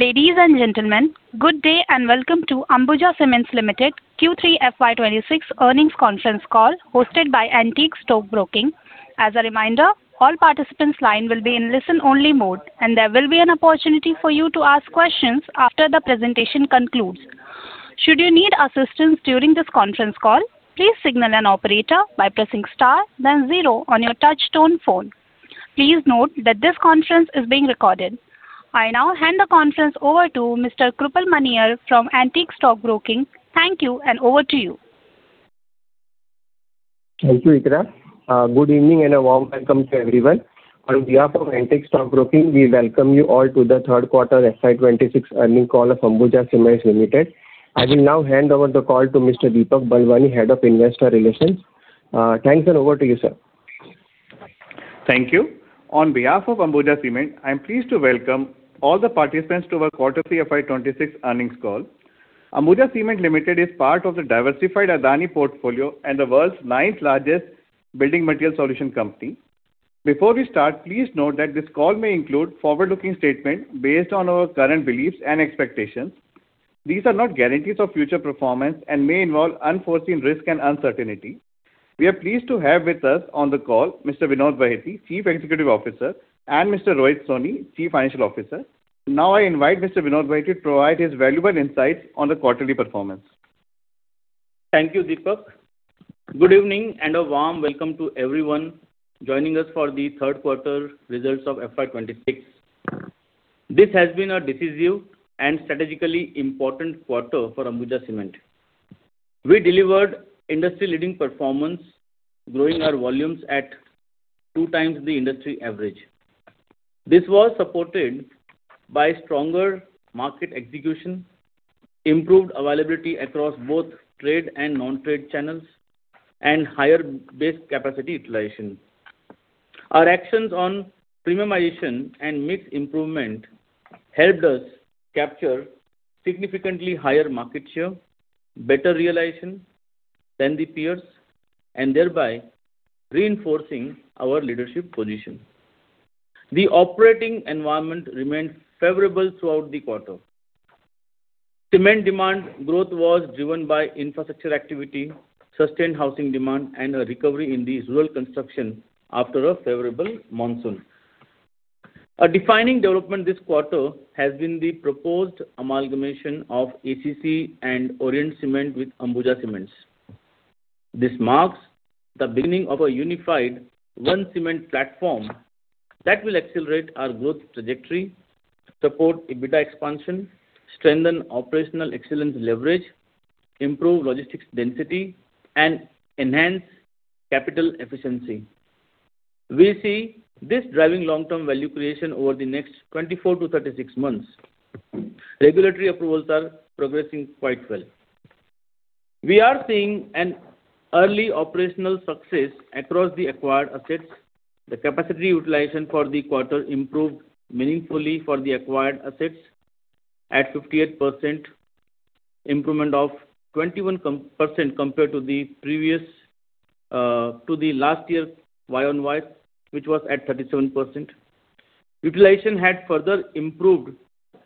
...Ladies and gentlemen, good day, and welcome to Ambuja Cements Limited Q3 FY 2026 Earnings Conference Call, hosted by Antique Stock Broking. As a reminder, all participants' lines will be in listen-only mode, and there will be an opportunity for you to ask questions after the presentation concludes. Should you need assistance during this conference call, please signal an operator by pressing star then zero on your touchtone phone. Please note that this conference is being recorded. I now hand the conference over to Mr. Krupal Maniar from Antique Stock Broking. Thank you, and over to you. Thank you, Ikra. Good evening, and a warm welcome to everyone. On behalf of Antique Stock Broking, we welcome you all to the Third Quarter FY 2026 Earning Call of Ambuja Cements Limited. I will now hand over the call to Mr. Deepak Balwani, Head of Investor Relations. Thanks, and over to you, sir. Thank you. On behalf of Ambuja Cement, I am pleased to welcome all the participants to our quarter three FY 2026 earnings call. Ambuja Cement Limited is part of the diversified Adani portfolio and the world's ninth largest building material solution company. Before we start, please note that this call may include forward-looking statements based on our current beliefs and expectations. These are not guarantees of future performance and may involve unforeseen risk and uncertainty. We are pleased to have with us on the call Mr. Vinod Bahety, Chief Executive Officer, and Mr. Rohit Soni, Chief Financial Officer. Now, I invite Mr. Vinod Bahety to provide his valuable insights on the quarterly performance. Thank you, Deepak. Good evening, and a warm welcome to everyone joining us for the Third Quarter Results of FY 2026. This has been a decisive and strategically important quarter for Ambuja Cements. We delivered industry-leading performance, growing our volumes at two times the industry average. This was supported by stronger market execution, improved availability across both trade and non-trade channels, and higher base capacity utilization. Our actions on premiumization and mix improvement helped us capture significantly higher market share, better realization than the peers, and thereby reinforcing our leadership position. The operating environment remained favorable throughout the quarter. Cement demand growth was driven by infrastructure activity, sustained housing demand, and a recovery in the rural construction after a favorable monsoon. A defining development this quarter has been the proposed amalgamation of ACC and Orient Cement with Ambuja Cements. This marks the beginning of a unified one cement platform that will accelerate our growth trajectory, support EBITDA expansion, strengthen operational excellence leverage, improve logistics density, and enhance capital efficiency. We see this driving long-term value creation over the next 24-36 months. Regulatory approvals are progressing quite well. We are seeing an early operational success across the acquired assets. The capacity utilization for the quarter improved meaningfully for the acquired assets at 58%, improvement of 21% compared to the previous, to the last year year-on-year, which was at 37%. Utilization had further improved.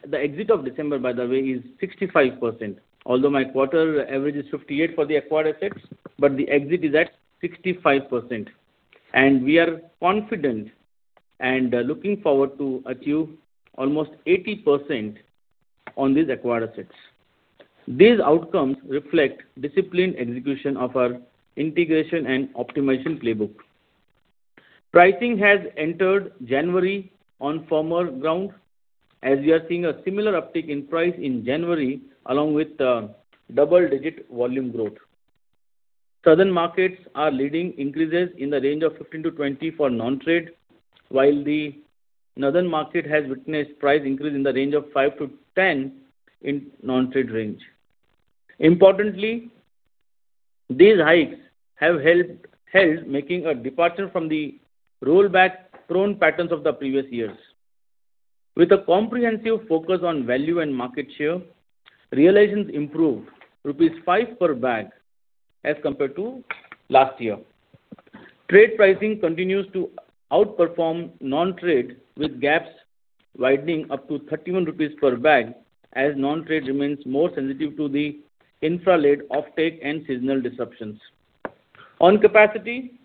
The exit of December, by the way, is 65%, although my quarter average is 58 for the acquired assets, but the exit is at 65%, and we are confident and, looking forward to achieve almost 80% on these acquired assets. These outcomes reflect disciplined execution of our integration and optimization playbook. Pricing has entered January on firmer ground, as we are seeing a similar uptick in price in January, along with double-digit volume growth. Southern markets are leading increases in the range of 15-20 for non-trade, while the northern market has witnessed price increase in the range of 5-10 in non-trade range. Importantly, these hikes have helped making a departure from the rollback-prone patterns of the previous years. With a comprehensive focus on value and market share, realizations improved 5 rupees per bag as compared to last year. Trade pricing continues to outperform non-trade, with gaps widening up to 31 rupees per bag, as non-trade remains more sensitive to the infra-led offtake and seasonal disruptions. On capacity,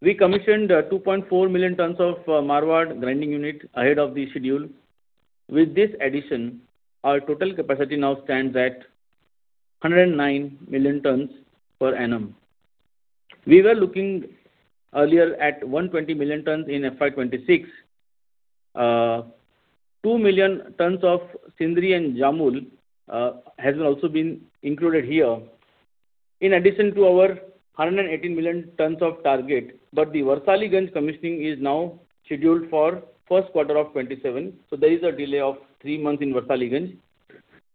we commissioned 2.4 million tons of Marwar grinding unit ahead of the schedule. With this addition, our total capacity now stands at 109 million tons per annum. We were looking earlier at 120 million tons in FY 2026. 2 million tons of Sindri and Jamul has also been included here, in addition to our 118 million tons of target, but the Warisaliganj commissioning is now scheduled for first quarter of 2027, so there is a delay of three months in Warisaliganj,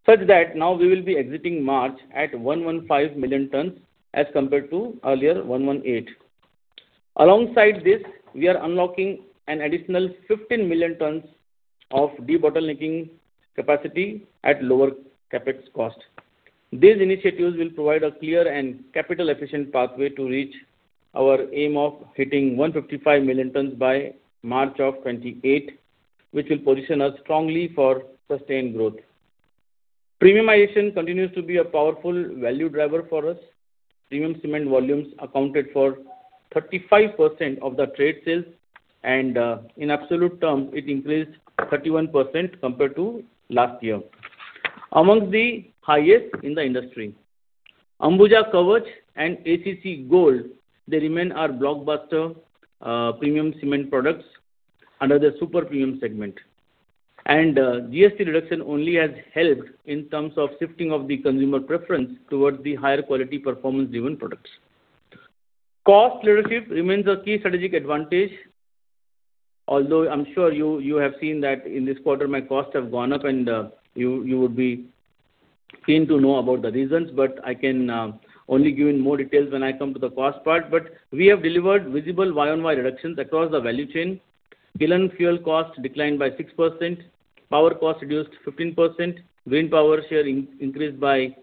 such that now we will be exiting March at 115 million tons, as compared to earlier, 118. Alongside this, we are unlocking an additional 15 million tons of debottlenecking capacity at lower CapEx cost. These initiatives will provide a clear and capital-efficient pathway to reach our aim of hitting 155 million tons by March of 2028, which will position us strongly for sustained growth. Premiumization continues to be a powerful value driver for us. Premium cement volumes accounted for 35% of the trade sales, and in absolute terms, it increased 31% compared to last year, among the highest in the industry. Ambuja Kavach and ACC Gold, they remain our blockbuster premium cement products under the super premium segment. GST reduction only has helped in terms of shifting of the consumer preference towards the higher quality performance-driven products. Cost leadership remains a key strategic advantage, although I'm sure you, you have seen that in this quarter, my costs have gone up and, you, you would be keen to know about the reasons, but I can only give you more details when I come to the cost part. We have delivered visible year-over-year reductions across the value chain. Kiln fuel cost declined by 6%, power cost reduced 15%, green power share increased by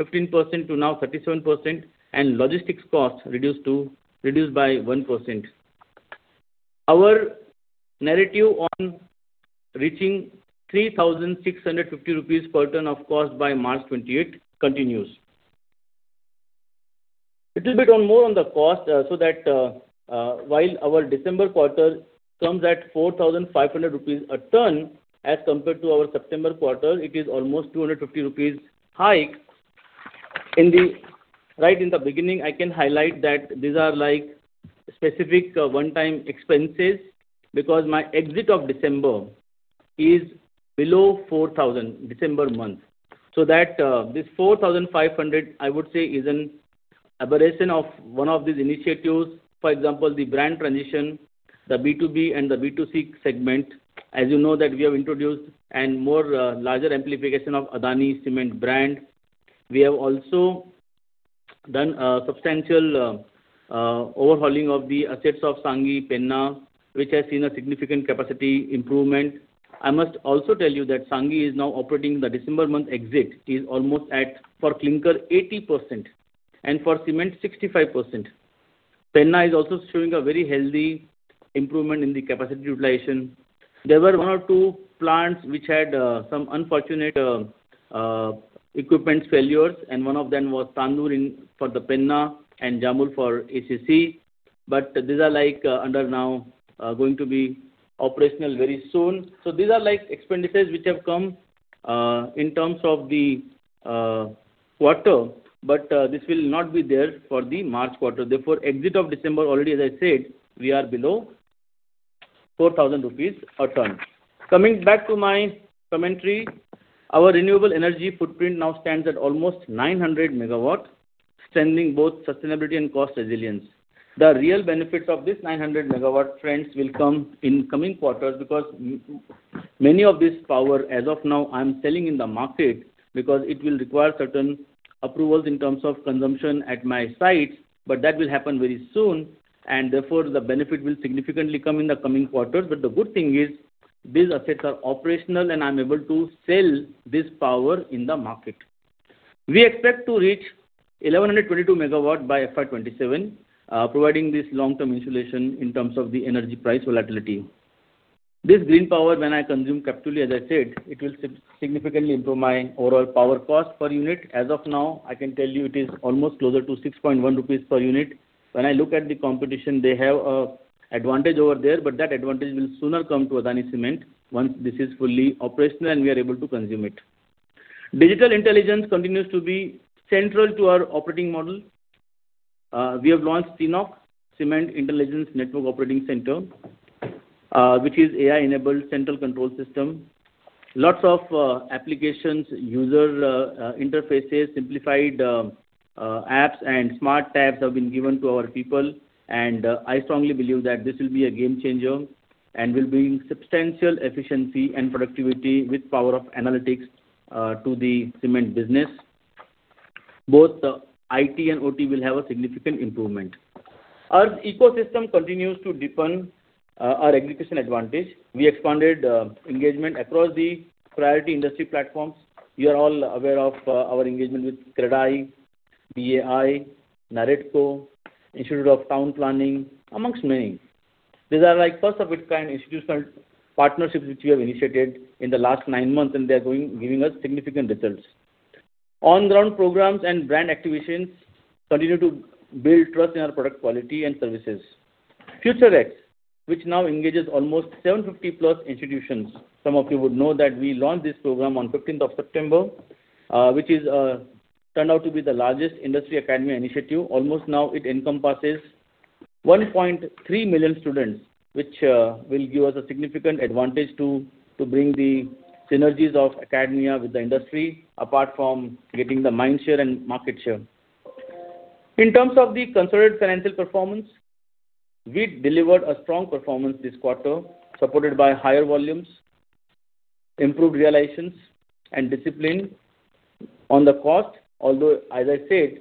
15% to now 37%, and logistics costs reduced by 1%. Our narrative on reaching 3,650 rupees per ton of cost by March 2028 continues. A little bit more on the cost, so that while our December quarter comes at 4,500 rupees a ton, as compared to our September quarter, it is almost 250 rupees hike. Right in the beginning, I can highlight that these are, like, specific one-time expenses, because the mix of December is below 4,000, December month. So that this 4,500, I would say, is an aberration of one of these initiatives. For example, the brand transition, the B2B and the B2C segment. As you know, that we have introduced and more, larger amplification of Adani Cement brand. We have also done a substantial, overhauling of the assets of Sanghi, Penna, which has seen a significant capacity improvement. I must also tell you that Sanghi is now operating the December month exit, is almost at, for clinker, 80% and for cement, 65%. Penna is also showing a very healthy improvement in the capacity utilization. There were one or two plants which had, some unfortunate, equipment failures, and one of them was Tandur in, for the Penna and Jamul for ACC. But these are, like, under now, going to be operational very soon. So these are, like, expenditures which have come, in terms of the, quarter, but, this will not be there for the March quarter. Therefore, end of December, already, as I said, we are below 4,000 rupees a ton. Coming back to my commentary, our renewable energy footprint now stands at almost 900 MW, strengthening both sustainability and cost resilience. The real benefits of this 900 MW trend will come in coming quarters, because many of this power, as of now, I'm selling in the market, because it will require certain approvals in terms of consumption at my sites, but that will happen very soon, and therefore, the benefit will significantly come in the coming quarters. But the good thing is, these assets are operational and I'm able to sell this power in the market. We expect to reach 1,122 MW by FY 2027, providing this long-term insulation in terms of the energy price volatility. This green power, when I consume captively, as I said, it will significantly improve my overall power cost per unit. As of now, I can tell you it is almost closer to 6.1 rupees per unit. When I look at the competition, they have an advantage over there, but that advantage will sooner come to Adani Cement once this is fully operational and we are able to consume it. Digital intelligence continues to be central to our operating model. We have launched CINOC, Cement Intelligence Network Operating Center, which is AI-enabled central control system. Lots of applications, user interfaces, simplified apps and smart tabs have been given to our people. And I strongly believe that this will be a game changer and will bring substantial efficiency and productivity with power of analytics to the cement business. Both IT and OT will have a significant improvement. Our ecosystem continues to deepen our aggregation advantage. We expanded engagement across the priority industry platforms. You are all aware of our engagement with CREDAI, BAI, NAREDCO, Institute of Town Planning, amongst many. These are, like, first of its kind institutional partnerships which we have initiated in the last nine months, and they are giving us significant results. On-the-ground programs and brand activations continue to build trust in our product quality and services. FutureX, which now engages almost 750+ institutions. Some of you would know that we launched this program on fifteenth of September, which is turned out to be the largest industry academy initiative. Almost now it encompasses 1.3 million students, which, will give us a significant advantage to, to bring the synergies of academia with the industry, apart from getting the mind share and market share. In terms of the consolidated financial performance, we delivered a strong performance this quarter, supported by higher volumes, improved realizations, and discipline. On the cost, although, as I said,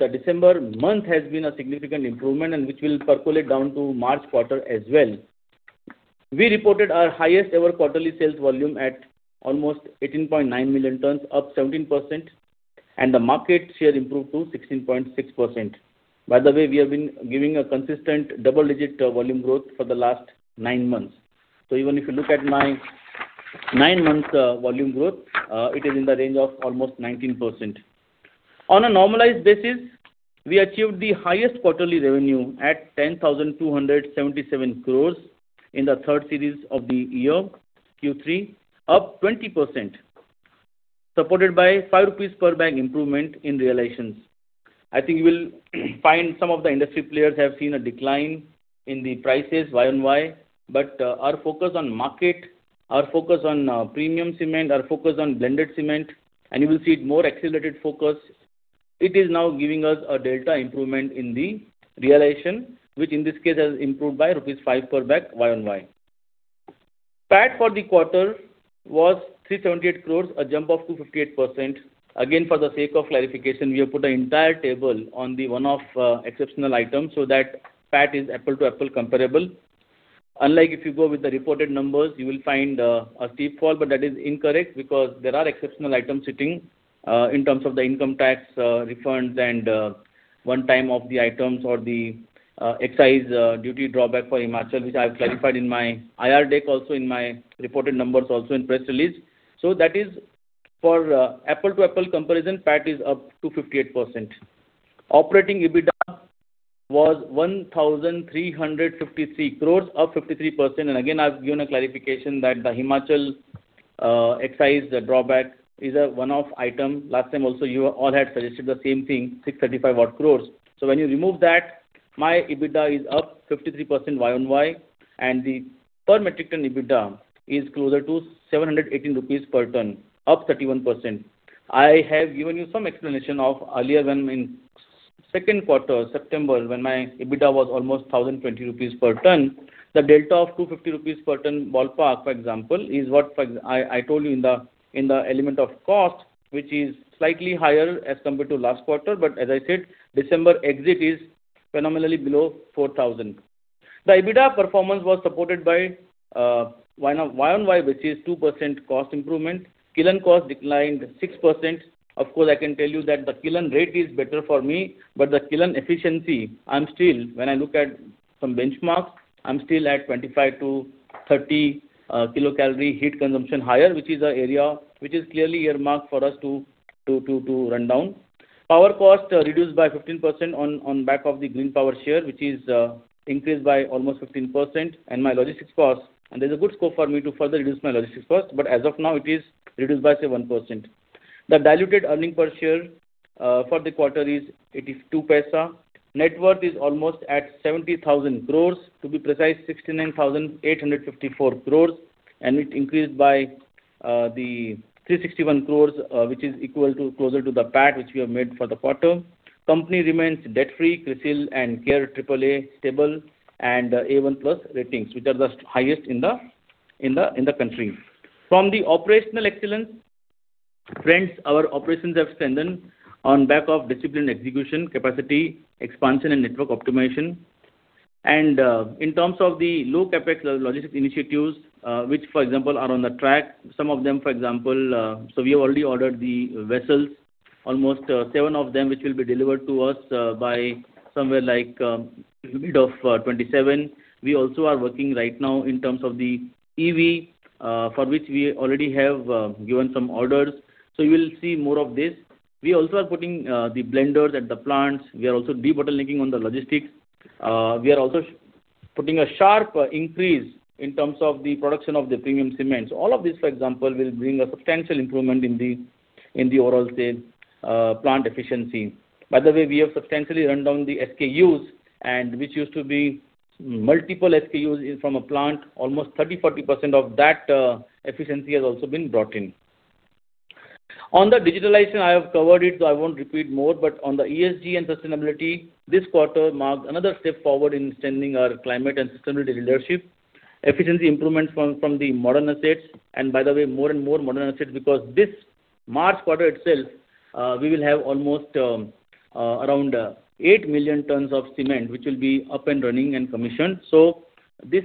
the December month has been a significant improvement, and which will percolate down to March quarter as well.... We reported our highest ever quarterly sales volume at almost 18.9 million tons, up 17%, and the market share improved to 16.6%. By the way, we have been giving a consistent double-digit, volume growth for the last nine months. So even if you look at my nine months, volume growth, it is in the range of almost 19%. On a normalized basis, we achieved the highest quarterly revenue at 10,277 crores in the third quarter of the year, Q3, up 20%, supported by 5 rupees per bag improvement in realizations. I think you will find some of the industry players have seen a decline in the prices Y-on-Y, but, our focus on market, our focus on, premium cement, our focus on blended cement, and you will see it more accelerated focus. It is now giving us a delta improvement in the realization, which in this case has improved by rupees 5 per bag, Y-on-Y. PAT for the quarter was 378 crores, a jump of 258%. Again, for the sake of clarification, we have put an entire table on the one-off, exceptional items, so that PAT is apple-to-apple comparable. Unlike if you go with the reported numbers, you will find a steep fall, but that is incorrect because there are exceptional items sitting in terms of the income tax refunds and one time off the items or the excise duty drawback for Himachal, which I have clarified in my IR deck, also in my reported numbers, also in press release. So that is for apple-to-apple comparison, PAT is up 258%. Operating EBITDA was 1,353 crore, up 53%. And again, I've given a clarification that the Himachal excise drawback is a one-off item. Last time also, you all had suggested the same thing, 635 odd crore. So when you remove that, my EBITDA is up 53% Y-on-Y, and the per metric ton EBITDA is closer to 718 rupees per ton, up 31%. I have given you some explanation earlier when in second quarter, September, when my EBITDA was almost 1,020 rupees per ton. The delta of 250 rupees per ton, ballpark, for example, is what I told you in the element of cost, which is slightly higher as compared to last quarter, but as I said, December exit is phenomenally below 4,000. The EBITDA performance was supported by Y-on-Y, which is 2% cost improvement. Kiln cost declined 6%. Of course, I can tell you that the kiln rate is better for me, but the kiln efficiency, I'm still, when I look at some benchmarks, I'm still at 25-30 kilocalorie heat consumption higher, which is an area which is clearly earmarked for us to run down. Power cost reduced by 15% on back of the green power share, which is increased by almost 15%, and my logistics cost. There's a good scope for me to further reduce my logistics cost, but as of now, it is reduced by, say, 1%. The diluted earnings per share for the quarter is 0.82. Net worth is almost at 70,000 crore, to be precise, 69,854 crore, and it increased by 361 crore, which is equal to closer to the PAT, which we have made for the quarter. Company remains debt-free, CRISIL and CARE AAA stable and A1+ ratings, which are the highest in the country. From the operational excellence, friends, our operations have strengthened on back of disciplined execution, capacity expansion and network optimization. In terms of the low CapEx logistic initiatives, which, for example, are on track. Some of them, for example, so we have already ordered the vessels, almost seven of them, which will be delivered to us by somewhere like mid-2027. We also are working right now in terms of the EV, for which we already have given some orders. So you will see more of this. We also are putting the blenders at the plants. We are also debottlenecking on the logistics. We are also putting a sharp increase in terms of the production of the premium cement. So all of this, for example, will bring a substantial improvement in the, in the overall state, plant efficiency. By the way, we have substantially run down the SKUs, and which used to be multiple SKUs in from a plant. Almost 30%-40% of that, efficiency has also been brought in. On the digitalization, I have covered it, so I won't repeat more, but on the ESG and sustainability, this quarter marked another step forward in strengthening our climate and sustainability leadership. Efficiency improvement from the modern assets, and by the way, more and more modern assets, because this March quarter itself, we will have almost around 8 million tons of cement, which will be up and running and commissioned. So this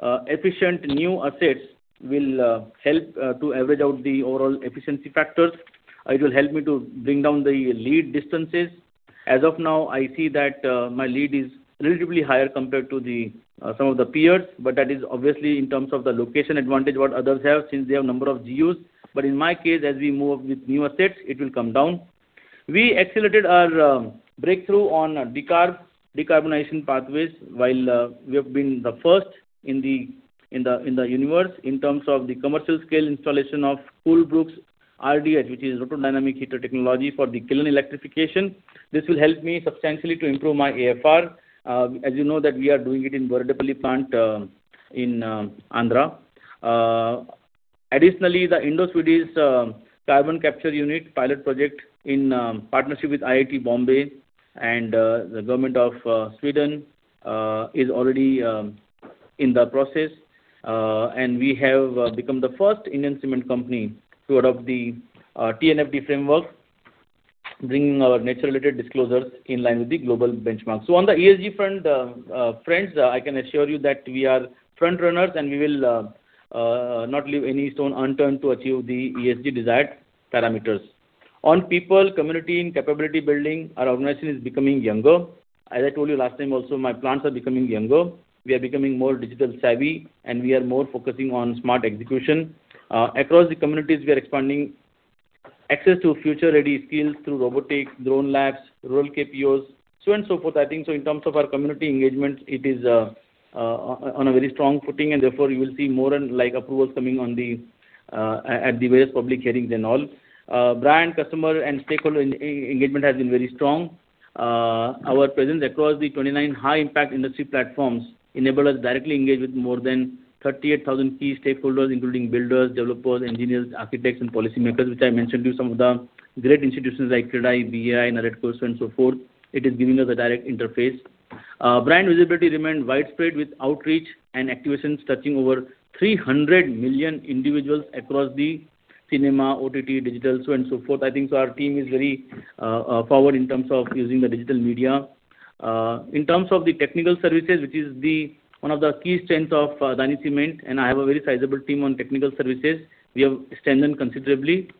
efficient new assets will help to average out the overall efficiency factors. It will help me to bring down the lead distances. As of now, I see that my lead is relatively higher compared to some of the peers, but that is obviously in terms of the location advantage what others have, since they have number of GUs. But in my case, as we move with new assets, it will come down. We accelerated our breakthrough on decarbonization pathways, while we have been the first in the universe in terms of the commercial scale installation of Coolbrook's RDH, which is rotodynamic heater technology for the kiln electrification. This will help me substantially to improve my AFR. As you know that we are doing it in Boyareddypalli plant in Andhra. Additionally, the Indo-Swedish carbon capture unit pilot project in partnership with IIT Bombay and the Government of Sweden is already in the process. And we have become the first Indian cement company to adopt the TNFD framework, bringing our nature-related disclosures in line with the global benchmark. On the ESG front, friends, I can assure you that we are front runners, and we will not leave any stone unturned to achieve the ESG desired parameters. On people, community, and capability building, our organization is becoming younger. As I told you last time also, my plants are becoming younger. We are becoming more digital savvy, and we are more focusing on smart execution. Across the communities, we are expanding access to future-ready skills through robotics, drone labs, rural KPOs, so and so forth. I think so in terms of our community engagement, it is on a very strong footing, and therefore you will see more and like approvals coming on the at the various public hearings and all. Brand, customer, and stakeholder engagement has been very strong. Our presence across the 29 high impact industry platforms enable us directly engage with more than 38,000 key stakeholders, including builders, developers, engineers, architects, and policymakers, which I mentioned to you, some of the great institutions like CREDAI, BAI, NAREDCO, and so forth. It is giving us a direct interface. Brand visibility remained widespread, with outreach and activations touching over 300 million individuals across the cinema, OTT, digital, so and so forth. I think so our team is very forward in terms of using the digital media. In terms of the technical services, which is the one of the key strengths of Adani Cement, and I have a very sizable team on technical services. We have strengthened considerably.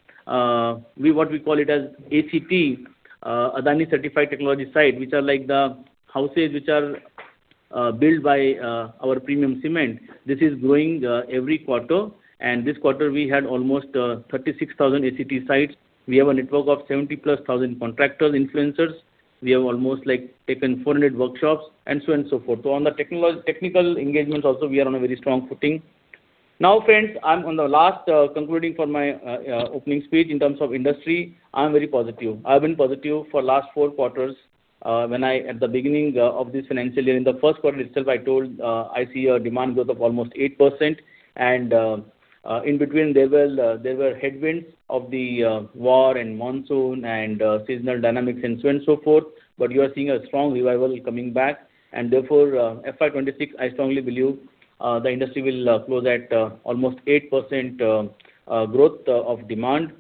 We what we call it as ACT, Adani Certified Technology site, which are like the houses which are built by our premium cement. This is growing every quarter, and this quarter we had almost 36,000 ACT sites. We have a network of 70,000+ contractors, influencers. We have almost, like, taken 400 workshops, and so and so forth. So on the technical engagement also, we are on a very strong footing. Now, friends, I'm on the last concluding for my opening speech. In terms of industry, I'm very positive. I've been positive for last four quarters. At the beginning of this financial year, in the first quarter itself, I told I see a demand growth of almost 8%. In between, there were headwinds of the war and monsoon and seasonal dynamics and so and so forth. But you are seeing a strong revival coming back, and therefore, FY 2026, I strongly believe, the industry will close at almost 8% growth of demand,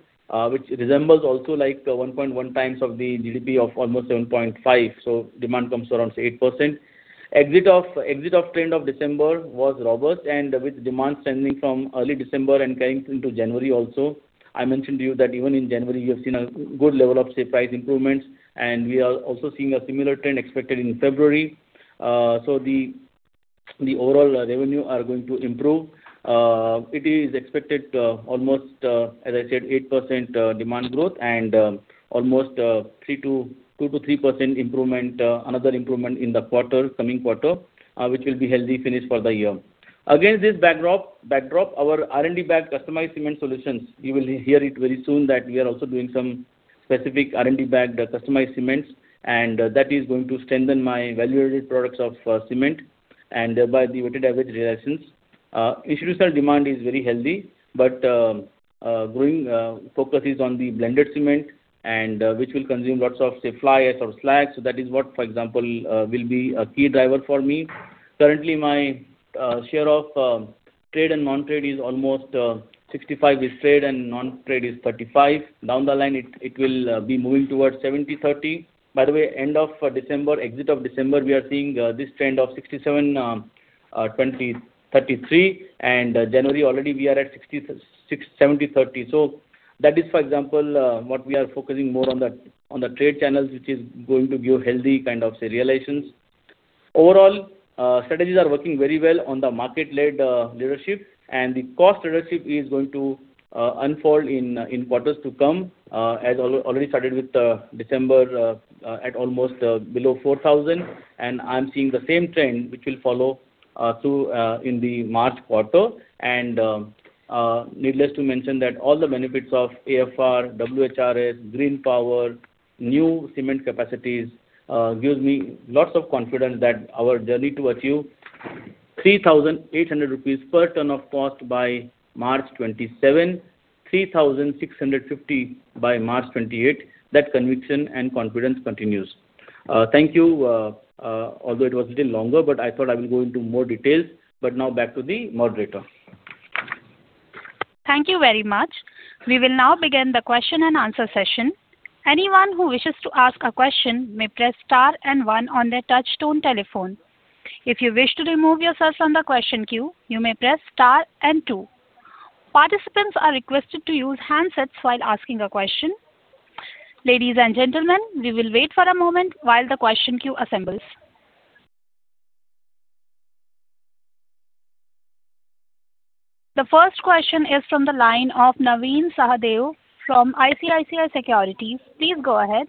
which resembles also like 1.1 times of the GDP of almost 7.5. So demand comes to around 8%. Exit of trend of December was robust, and with demand strengthening from early December and carrying into January also. I mentioned to you that even in January, you have seen a good level of, say, price improvements, and we are also seeing a similar trend expected in February. So the overall revenue are going to improve. It is expected, almost, as I said, 8% demand growth and, almost, two to three percent improvement, another improvement in the quarter, coming quarter, which will be healthy finish for the year. Against this backdrop, our R&D-backed customized cement solutions, you will hear it very soon, that we are also doing some specific R&D-backed, customized cements, and, that is going to strengthen my value-added products of, cement and thereby the weighted average realizations. Institutional demand is very healthy, but, growing focus is on the blended cement and, which will consume lots of, say, fly ash or slag. So that is what, for example, will be a key driver for me. Currently, my, share of, trade and non-trade is almost, 65% is trade and non-trade is 35%. Down the line, it, it will be moving towards 70/30. By the way, end of December, exit of December, we are seeing this trend of 67/33, and January already we are at 66, 70/30. So that is, for example, what we are focusing more on the, on the trade channels, which is going to give healthy kind of, say, realizations. Overall, strategies are working very well on the market-led leadership, and the cost leadership is going to unfold in quarters to come, as already started with December at almost below 4,000. And I'm seeing the same trend, which will follow through in the March quarter. Needless to mention that all the benefits of AFR, WHRS, green power, new cement capacities gives me lots of confidence that our journey to achieve 3,800 rupees per ton of cost by March 2027, 3,650 by March 2028, that conviction and confidence continues. Thank you. Although it was a little longer, but I thought I will go into more details. Now back to the moderator. Thank you very much. We will now begin the question-and-answer session. Anyone who wishes to ask a question may press star and one on their touchtone telephone. If you wish to remove yourself from the question queue, you may press star and two. Participants are requested to use handsets while asking a question. Ladies and gentlemen, we will wait for a moment while the question queue assembles. The first question is from the line of Navin Sahadeo from ICICI Securities. Please go ahead.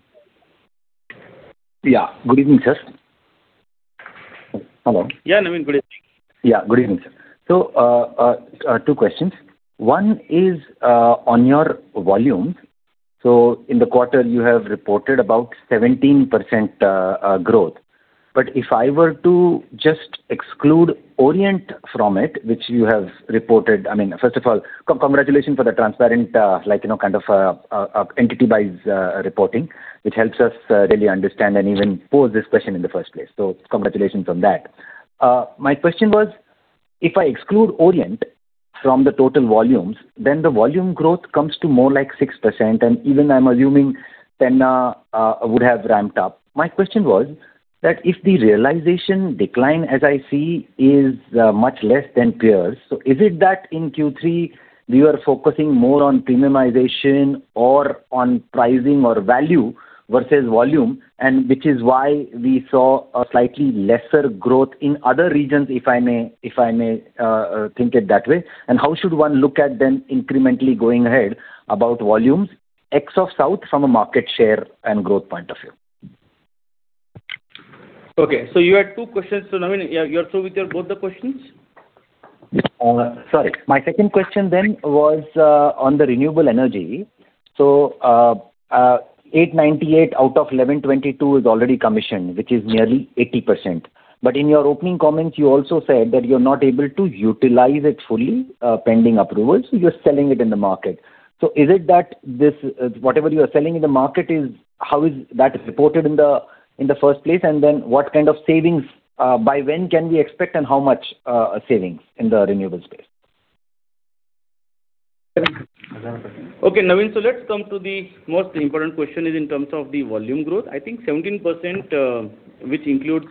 Yeah. Good evening, sir. Hello. Yeah, Navin, good evening. Yeah, good evening, sir. So, two questions. One is, on your volumes. So in the quarter, you have reported about 17% growth. But if I were to just exclude Orient from it, which you have reported... I mean, first of all, congratulations for the transparent, like, you know, kind of, entity-wise, reporting, which helps us, really understand and even pose this question in the first place. So congratulations on that. My question was-... If I exclude Orient from the total volumes, then the volume growth comes to more like 6%, and even I'm assuming Penna would have ramped up. My question was that if the realization decline, as I see, is much less than peers, so is it that in Q3 you are focusing more on premiumization or on pricing or value versus volume, and which is why we saw a slightly lesser growth in other regions, if I may, if I may, think it that way? And how should one look at then incrementally going ahead about volumes in the South from a market share and growth point of view? Okay, so you had two questions. So, Navin, yeah, you are through with your both the questions? Sorry. My second question then was on the renewable energy. So, 898 out of 1,122 is already commissioned, which is nearly 80%. But in your opening comments, you also said that you're not able to utilize it fully, pending approval, so you're selling it in the market. So is it that this, whatever you are selling in the market, is—how is that reported in the, in the first place? And then what kind of savings, by when can we expect, and how much, savings in the renewable space? Okay, Naveen, so let's come to the most important question is in terms of the volume growth. I think 17%, which includes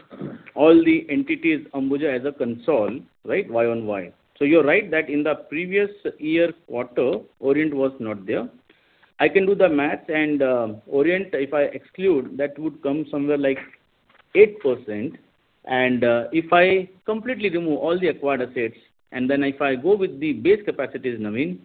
all the entities, Ambuja as consolidated, right, Y on Y. So you're right, that in the previous year quarter, Orient was not there. I can do the math, and Orient, if I exclude, that would come somewhere like 8%. And if I completely remove all the acquired assets, and then if I go with the base capacities, Naveen,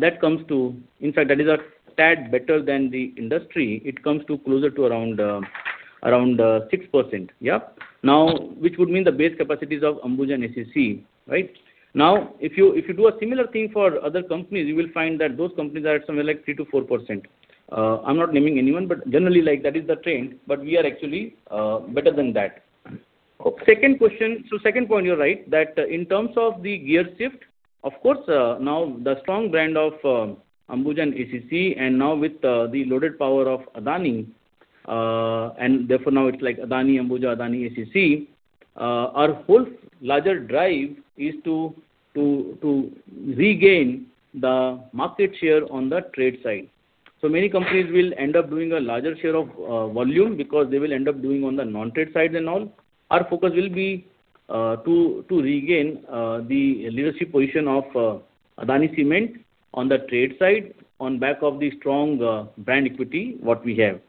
that comes to... In fact, that is a tad better than the industry. It comes to closer to around, around, 6%. Yeah. Now, which would mean the base capacities of Ambuja and ACC, right? Now, if you, if you do a similar thing for other companies, you will find that those companies are at somewhere like 3%-4%. I'm not naming anyone, but generally, like, that is the trend, but we are actually better than that. Second question. So second point, you're right, that in terms of the gear shift, of course, now the strong brand of Ambuja and ACC, and now with the loaded power of Adani, and therefore now it's like Adani Ambuja, Adani ACC, our whole larger drive is to regain the market share on the trade side. So many companies will end up doing a larger share of volume because they will end up doing on the non-trade sides and all. Our focus will be to regain the leadership position of Adani Cement on the trade side, on back of the strong brand equity what we have.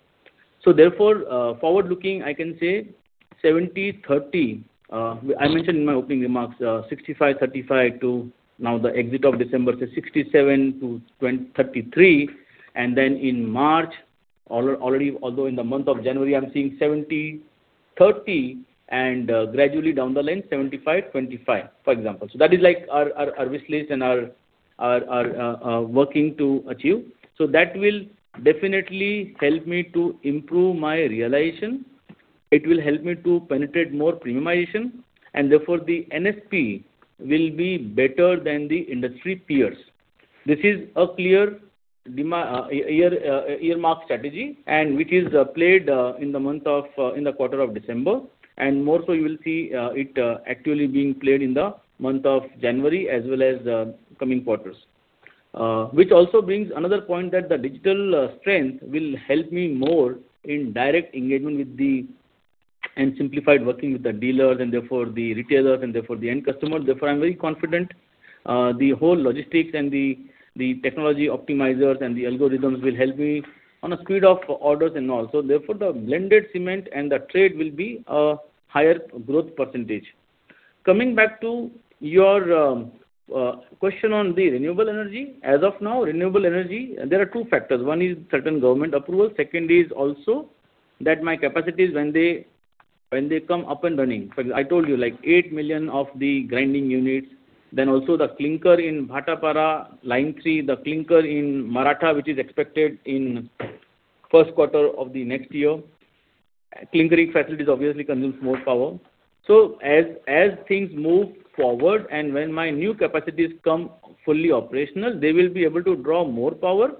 So therefore, forward-looking, I can say 70/30. I mentioned in my opening remarks, 65-35 to now the end of December to 67-33, and then in March already although in the month of January, I'm seeing 70-30, and gradually down the line, 75-25, for example. So that is like our wish list and our working to achieve. So that will definitely help me to improve my realization. It will help me to penetrate more premiumization, and therefore, the NSP will be better than the industry peers. This is a clear earmark strategy, and which is played in the month of in the quarter of December. And more so you will see it actually being played in the month of January as well as the coming quarters. Which also brings another point, that the digital strength will help me more in direct engagement with the... and simplified working with the dealers, and therefore the retailers, and therefore the end customers. Therefore, I'm very confident, the whole logistics and the technology optimizers and the algorithms will help me on a speed of orders and all. So therefore, the blended cement and the trade will be a higher growth percentage. Coming back to your question on the renewable energy. As of now, renewable energy, there are two factors: one is certain government approval, second is also that my capacities, when they come up and running. For example, I told you, like 8 million of the grinding units, then also the clinker in Bhatapara, line three, the clinker in Maratha, which is expected in first quarter of the next year. Clinkering facilities obviously consume more power. So as things move forward and when my new capacities come fully operational, they will be able to draw more power.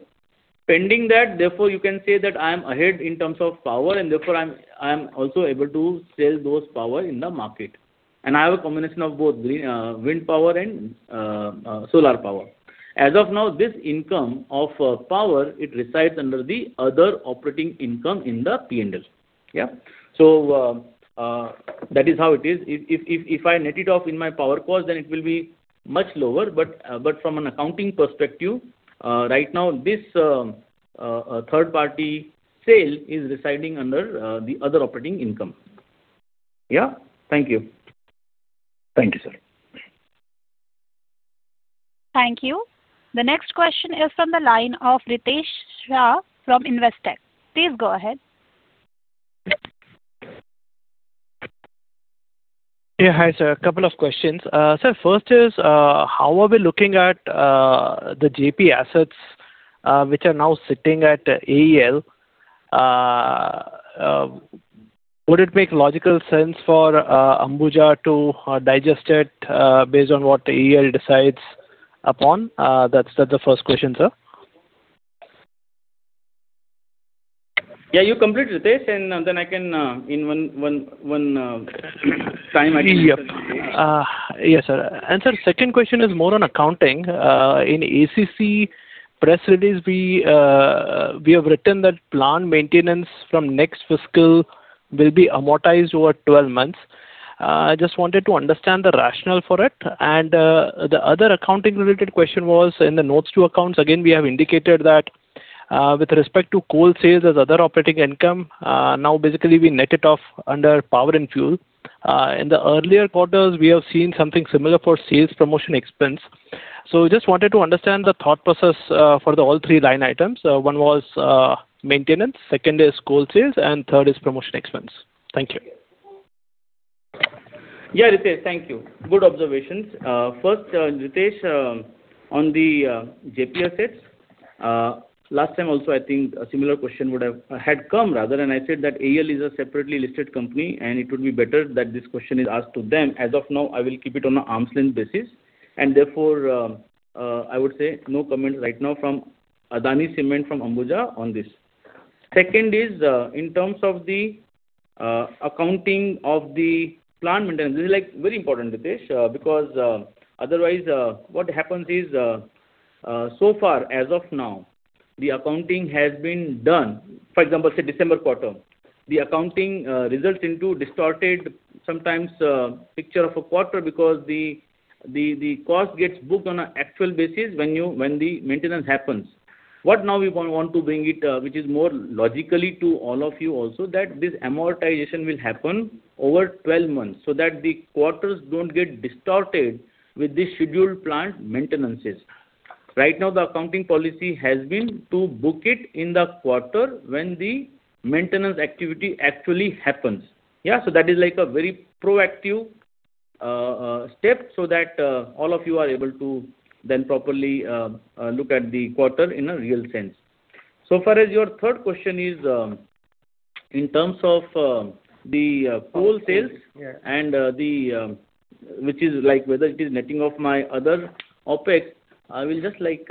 Pending that, therefore, you can say that I am ahead in terms of power, and therefore I am also able to sell those power in the market. And I have a combination of both, green wind power and solar power. As of now, this income of power, it resides under the other operating income in the P&L. Yeah? So, that is how it is. If I net it off in my power cost, then it will be much lower, but from an accounting perspective, right now, this third-party sale is residing under the other operating income. Yeah? Thank you. Thank you, sir. Thank you. The next question is from the line of Ritesh Shah from Investec. Please go ahead. Yeah, hi, sir. A couple of questions. Sir, first is, how are we looking at the JP assets, which are now sitting at AEL? Would it make logical sense for Ambuja to digest it, based on what AEL decides upon? That's the first question, sir. ... Yeah, you complete, Ritesh, and then I can in one time I can- Yep. Yes, sir. And sir, second question is more on accounting. In ACC press release, we have written that plant maintenance from next fiscal will be amortized over 12 months. I just wanted to understand the rationale for it. And, the other accounting-related question was in the notes to accounts, again, we have indicated that, with respect to coal sales as other operating income, now basically we net it off under power and fuel. In the earlier quarters, we have seen something similar for sales promotion expense. So we just wanted to understand the thought process, for the all three line items. One was maintenance, second is coal sales, and third is promotion expense. Thank you. Yeah, Ritesh, thank you. Good observations. First, Ritesh, on the JP assets, last time also, I think a similar question would have had come, rather, and I said that AEL is a separately listed company, and it would be better that this question is asked to them. As of now, I will keep it on an arm's length basis, and therefore, I would say no comment right now from Adani Cement, from Ambuja on this. Second is, in terms of the accounting of the plant maintenance. This is, like, very important, Ritesh, because, otherwise, what happens is, so far as of now, the accounting has been done. For example, say, December quarter, the accounting results into distorted sometimes picture of a quarter because the cost gets booked on an actual basis when the maintenance happens. What now we want to bring it, which is more logically to all of you also, that this amortization will happen over 12 months, so that the quarters don't get distorted with the scheduled plant maintenances. Right now, the accounting policy has been to book it in the quarter when the maintenance activity actually happens. Yeah, so that is like a very proactive step, so that all of you are able to then properly look at the quarter in a real sense. So far as your third question is, in terms of the coal sales- Yeah. and the which is like whether it is netting off my other OpEx. I will just, like,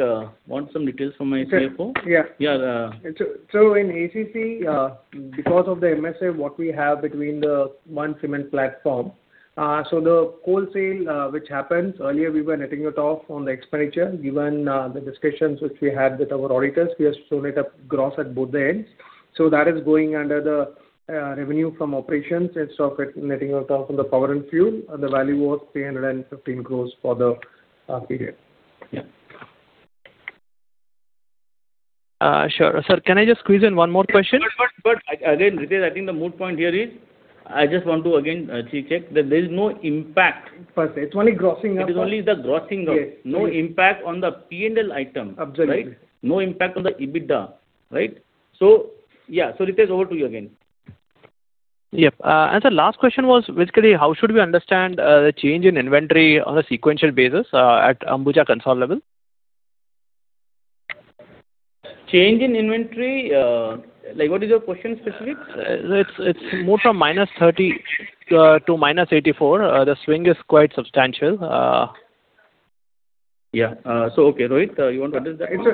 want some details from my CFO. Yeah. Yeah, the- So in ACC, because of the MSA, what we have between the one cement platform, so the coal sale, which happens, earlier we were netting it off on the expenditure. Given the discussions which we had with our auditors, we have to show net and gross at both ends. So that is going under the revenue from operations instead of it netting off from the power and fuel, and the value was 315 crore for the period. Yeah. Sure. Sir, can I just squeeze in one more question? But again, Ritesh, I think the moot point here is, I just want to again, check that there is no impact. First, it's only grossing up. It is only the grossing up. Yeah. No impact on the PNL item. Absolutely. Right? No impact on the EBITDA, right? So, yeah, so, Ritesh, over to you again. Yep. And sir, last question was basically, how should we understand the change in inventory on a sequential basis at Ambuja consolidated level? Change in inventory, like, what is your question specific? It's more from -30 to -84. The swing is quite substantial. Yeah. So, okay, Rohit, you want to address that one?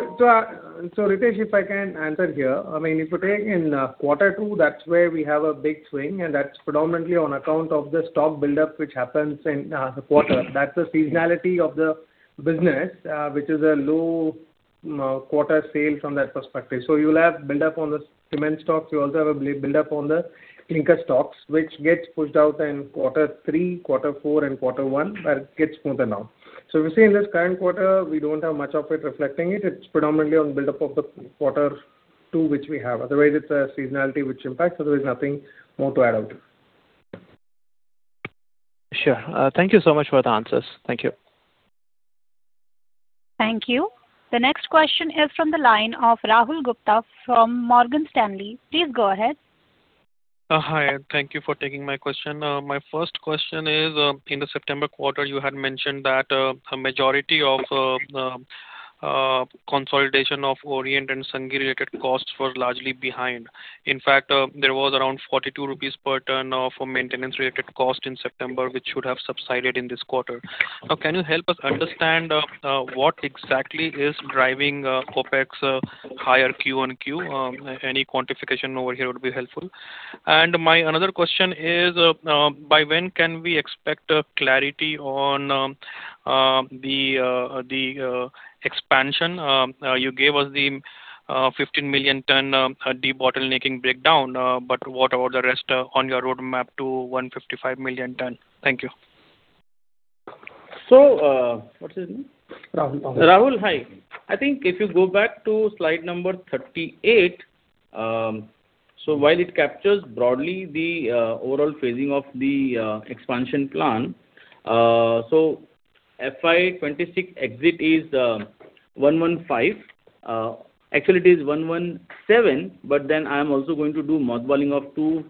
It's... So, Ritesh, if I can answer here. I mean, if you take in quarter two, that's where we have a big swing, and that's predominantly on account of the stock buildup, which happens in the quarter. That's the seasonality of the business, which is a low quarter sale from that perspective. So you will have buildup on the cement stocks. You also have a buildup on the clinker stocks, which gets pushed out in quarter three, quarter four, and quarter one, where it gets smoother now. So we see in this current quarter, we don't have much of it reflecting it. It's predominantly on buildup of the quarter two, which we have. Otherwise, it's a seasonality which impacts, so there's nothing more to add on to. Sure. Thank you so much for the answers. Thank you. Thank you. The next question is from the line of Rahul Gupta from Morgan Stanley. Please go ahead. Hi, and thank you for taking my question. My first question is, in the September quarter, you had mentioned that a majority of consolidation of Orient and Sanghi-related costs were largely behind. In fact, there was around 42 rupees per ton for maintenance-related cost in September, which should have subsided in this quarter. Can you help us understand what exactly is driving OpEx higher Q on Q? Any quantification over here would be helpful. And my another question is, by when can we expect clarity on the expansion? You gave us the 15 million ton debottlenecking breakdown, but what about the rest on your roadmap to 155 million ton? Thank you. So, what's his name? Rahul Gupta. Rahul, hi. I think if you go back to Slide 38, so while it captures broadly the overall phasing of the expansion plan, so FY 2026 exit is 115. Actually, it is 117, but then I am also going to do mothballing of two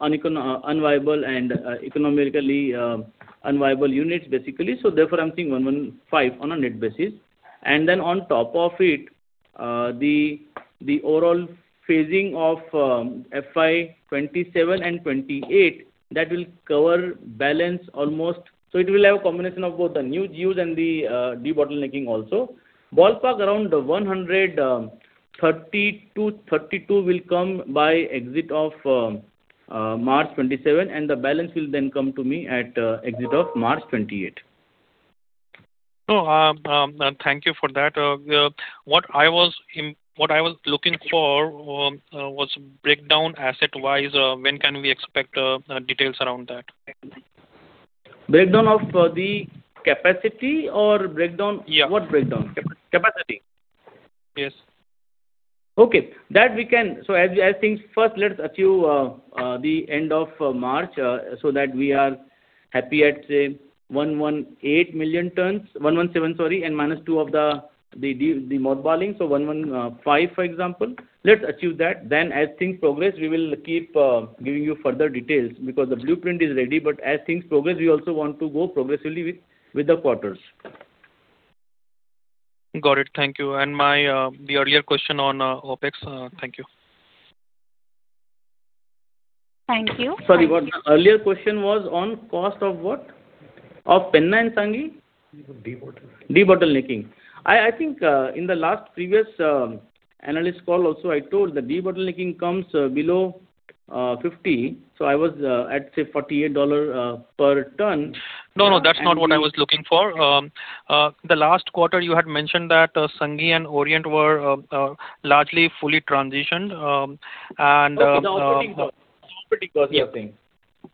uneconomic unviable and economically unviable units, basically. So therefore, I'm seeing 115 on a net basis. And then on top of it, the overall phasing of FY 2027 and 2028, that will cover balance almost. So it will have a combination of both the new units and the debottlenecking also. Ballpark around 130-132 will come by exit of FY 2027, and the balance will then come online at exit of March 2028. Thank you for that. What I was looking for was breakdown asset-wise. When can we expect details around that? Breakdown of the capacity or breakdown- Yeah. What breakdown? Capacity. Capacity. Yes. Okay, that we can. So as things, first, let's achieve the end of March, so that we are happy at, say, 118 million tons, 117, sorry, and minus two of the modelling. So 115, for example. Let's achieve that. Then as things progress, we will keep giving you further details, because the blueprint is ready. But as things progress, we also want to go progressively with the quarters. Got it. Thank you. And my, the earlier question on, OpEx. Thank you. Thank you. Sorry, what? The earlier question was on cost of what? Of Penna and Sanghi? Debottlenecking. Debottlenecking. I think in the last previous analyst call, also I told the debottlenecking comes below 50. So I was at say $48 per ton. No, no, that's not what I was looking for. The last quarter you had mentioned that Sanghi and Orient were largely fully transitioned, and Okay, the operating cost. The operating cost, you're saying. Yeah.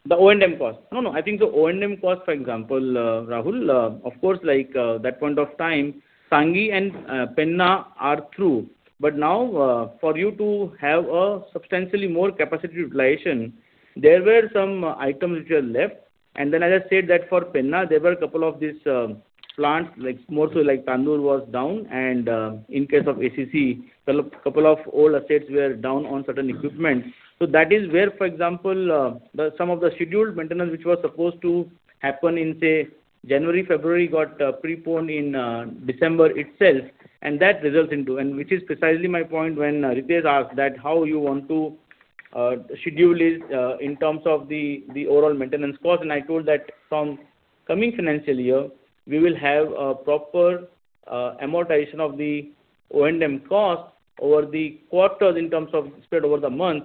The O&M cost. No, no, I think the O&M cost, for example, Rahul, of course, like, that point of time, Sanghi and Penna are through. But now, for you to have a substantially more capacity utilization, there were some items which are left. And then as I said that for Penna, there were a couple of these plants, like, more so like Tandur was down. And in case of ACC, couple of old assets were down on certain equipment. So that is where, for example, the some of the scheduled maintenance, which was supposed to happen in, say, January, February, got preponed in December itself, and that results into... And which is precisely my point when Ritesh asked that how you want to schedule this in terms of the overall maintenance cost. I told that from coming financial year, we will have a proper amortization of the O&M cost over the quarters in terms of spread over the month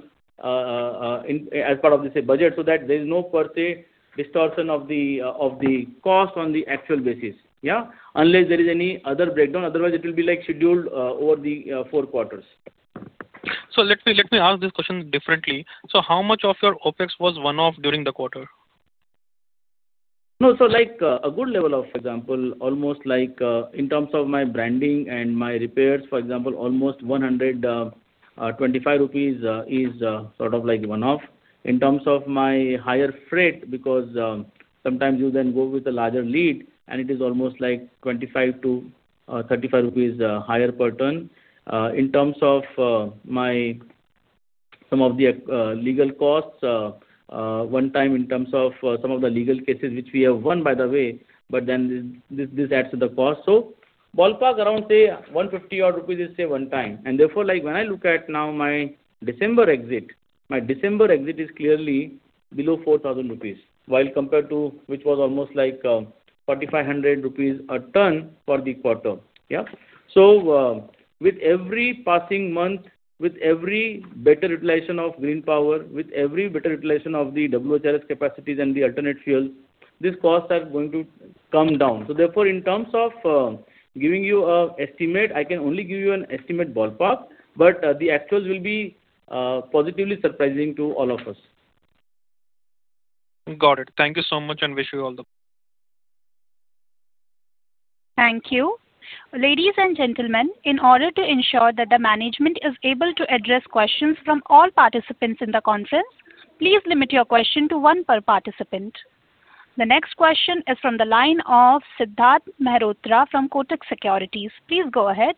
in as part of the say budget, so that there is no per se distortion of the cost on the actual basis, yeah? Unless there is any other breakdown, otherwise it will be like scheduled over the four quarters. So let me, let me ask this question differently: So how much of your OpEx was one-off during the quarter? No, so like, a good level of, for example, almost like, in terms of my branding and my repairs, for example, almost 125 rupees, is, sort of like one-off. In terms of my higher freight, because, sometimes you then go with a larger lead, and it is almost like 25-35 rupees higher per ton. In terms of, my some of the, legal costs, one time in terms of, some of the legal cases, which we have won, by the way, but then this, this, this adds to the cost. So ballpark around, say, 150 odd rupees is, say, one time. Therefore, like when I look at now my December exit, my December exit is clearly below 4,000 rupees, while compared to which was almost like 4,500 rupees a ton for the quarter. Yeah? So, with every passing month, with every better utilization of green power, with every better utilization of the WHRS capacities and the alternate fuels, these costs are going to come down. So therefore, in terms of giving you an estimate, I can only give you an estimate ballpark, but the actuals will be positively surprising to all of us. Got it. Thank you so much, and wish you all the... Thank you. Ladies and gentlemen, in order to ensure that the management is able to address questions from all participants in the conference, please limit your question to one per participant. The next question is from the line of Siddharth Mehrotra from Kotak Securities. Please go ahead.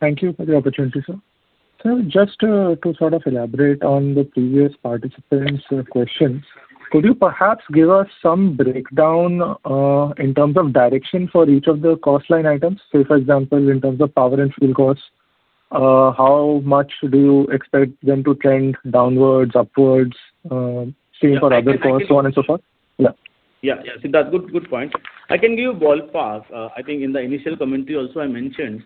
Thank you for the opportunity, sir. So just to sort of elaborate on the previous participant's questions, could you perhaps give us some breakdown in terms of direction for each of the cost line items? Say, for example, in terms of power and fuel costs, how much do you expect them to trend downwards, upwards, same for other costs, so on and so forth? Yeah. Yeah, yeah. Siddharth, good, good point. I can give you ballpark. I think in the initial commentary also I mentioned.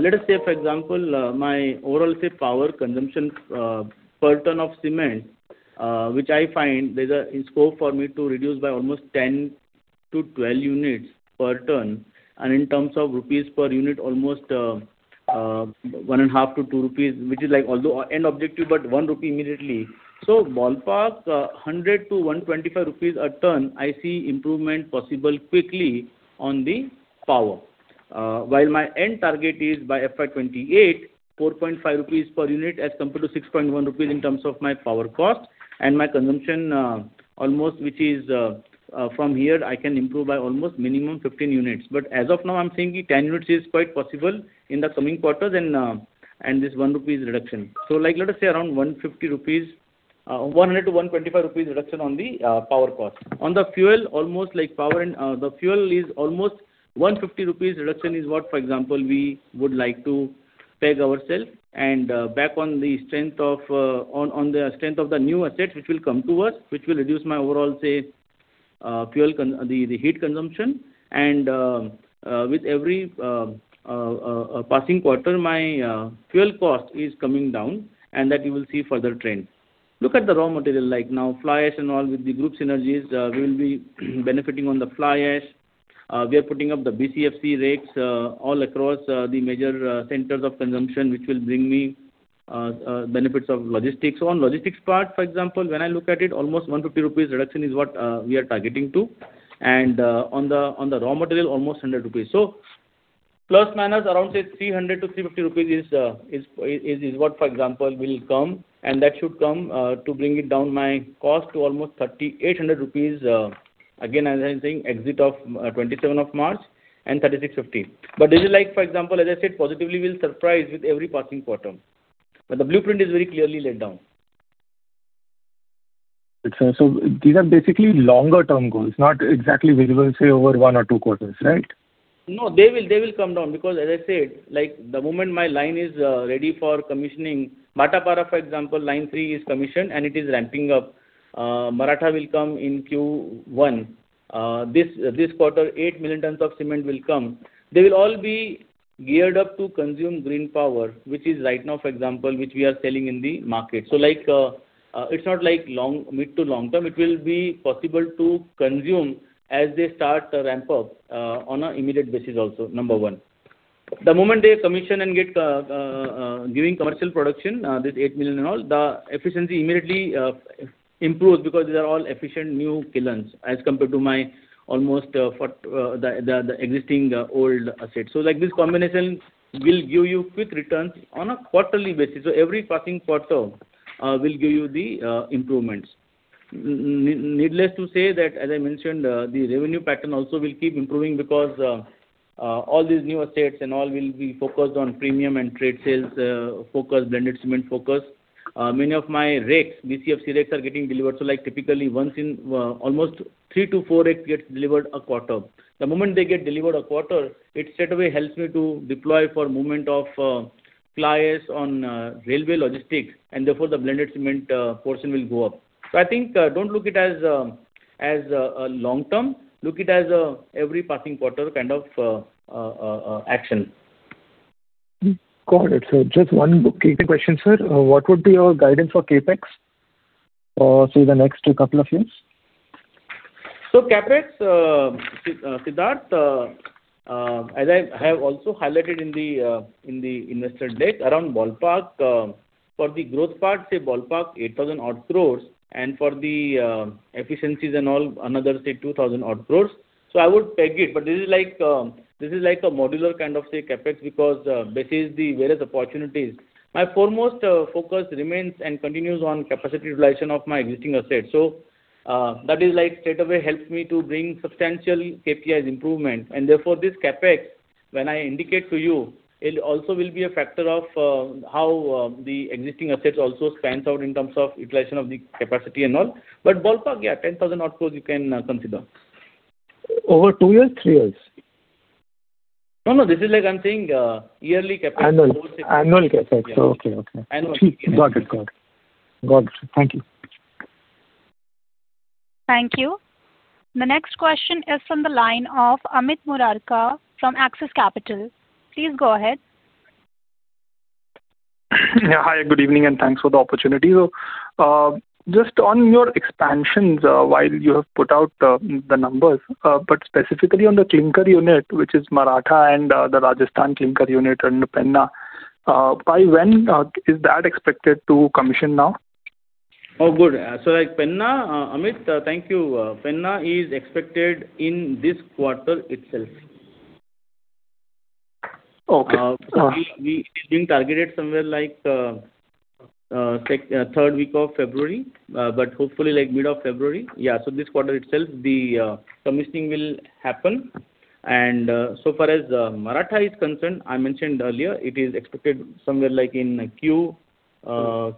Let us say, for example, my overall, say, power consumption, per ton of cement, which I find there's a scope for me to reduce by almost 10-12 units per ton. And in terms of rupees per unit, almost, one and a half to two rupees, which is like although end objective, but one rupee immediately. So ballpark, hundred to one twenty-five rupees a ton, I see improvement possible quickly on the power. While my end target is by FY 2028, 4.5 rupees per unit as compared to 6.1 rupees in terms of my power cost. And my consumption, almost which is, from here, I can improve by almost minimum 15 units. But as of now, I'm thinking 10 units is quite possible in the coming quarters and this 1 rupees reduction. So like let us say around 150 rupees, 100-125 rupees reduction on the power cost. On the fuel, almost like power and the fuel is almost 150 rupees reduction is what, for example, we would like to peg ourselves. And back on the strength of the new asset, which will come to us, which will reduce my overall the heat consumption, and with every passing quarter, my fuel cost is coming down, and that you will see further trend. Look at the raw material, like now, fly ash and all with the group synergies, we will be benefiting on the fly ash. We are putting up the BCFC rakes, all across, the major, centers of consumption, which will bring me, benefits of logistics. So on logistics part, for example, when I look at it, almost 150 rupees reduction is what we are targeting to, and, on the, on the raw material, almost 100 rupees. So plus minus around, say, 300-350 rupees is what, for example, will come, and that should come, to bring it down my cost to almost 3,800 rupees, again, as I'm saying, exit of twenty-seven of March and 3,650. But this is like, for example, as I said, positively we'll surprise with every passing quarter. But the blueprint is very clearly laid down. Good, sir. So these are basically longer term goals, not exactly visible, say, over 1 or 2 quarters, right? No, they will, they will come down, because as I said, like, the moment my line is ready for commissioning, Bhatapara, for example, line three is commissioned, and it is ramping up. Maratha will come in Q1. This, this quarter, 8 million tons of cement will come. They will all be geared up to consume green power, which is right now, for example, which we are selling in the market. So, like, it's not like long-mid to long term, it will be possible to consume as they start the ramp up, on an immediate basis also, number one. The moment they commission and get giving commercial production, this 8 million and all, the efficiency immediately improves because these are all efficient new kilns, as compared to my almost the existing old assets. So, like, this combination will give you quick returns on a quarterly basis. So every passing quarter will give you the improvements. Needless to say that, as I mentioned, the revenue pattern also will keep improving because all these new assets and all will be focused on premium and trade sales, focus, blended cement focus. Many of my rakes, BCFC rakes, are getting delivered, so, like, typically once in almost three to four rakes gets delivered a quarter. The moment they get delivered a quarter, it straightaway helps me to deploy for movement of fly ash on railway logistics, and therefore, the blended cement portion will go up. So I think don't look it as a long term. Look it as a every passing quarter kind of action. Got it, sir. Just one quick question, sir. What would be your guidance for CapEx, say, the next couple of years? So CapEx, Siddharth, as I have also highlighted in the investor deck, around ballpark, for the growth part, say, ballpark, 8,000 odd crore, and for the efficiencies and all, another, say, 2,000 odd crore. So I would peg it, but this is like, this is like a modular kind of, say, CapEx, because, this is the various opportunities. My foremost focus remains and continues on capacity utilization of my existing assets. So, that is, like, straightaway helps me to bring substantial KPIs improvement, and therefore, this CapEx, when I indicate to you, it also will be a factor of, how, the existing assets also spans out in terms of utilization of the capacity and all. But ballpark, yeah, 10,000 odd crore you can consider. Over two years, three years? No, no, this is like I'm saying, yearly CapEx- Annual CapEx. Yeah. Okay, okay. Annual CapEx. Got it, got it. Got it. Thank you. Thank you. The next question is from the line of Amit Murarka from Axis Capital. Please go ahead. Yeah, hi, good evening, and thanks for the opportunity. So, just on your expansions, while you have put out the, the numbers, but specifically on the clinker unit, which is Maratha and the Rajasthan clinker unit and Penna. By when is that expected to commission now? Oh, good. So, like, Penna, Amit, thank you. Penna is expected in this quarter itself. Okay. It's been targeted somewhere like second, third week of February, but hopefully like mid of February. Yeah, so this quarter itself, the commissioning will happen. And, so far as Maratha is concerned, I mentioned earlier, it is expected somewhere like in Q1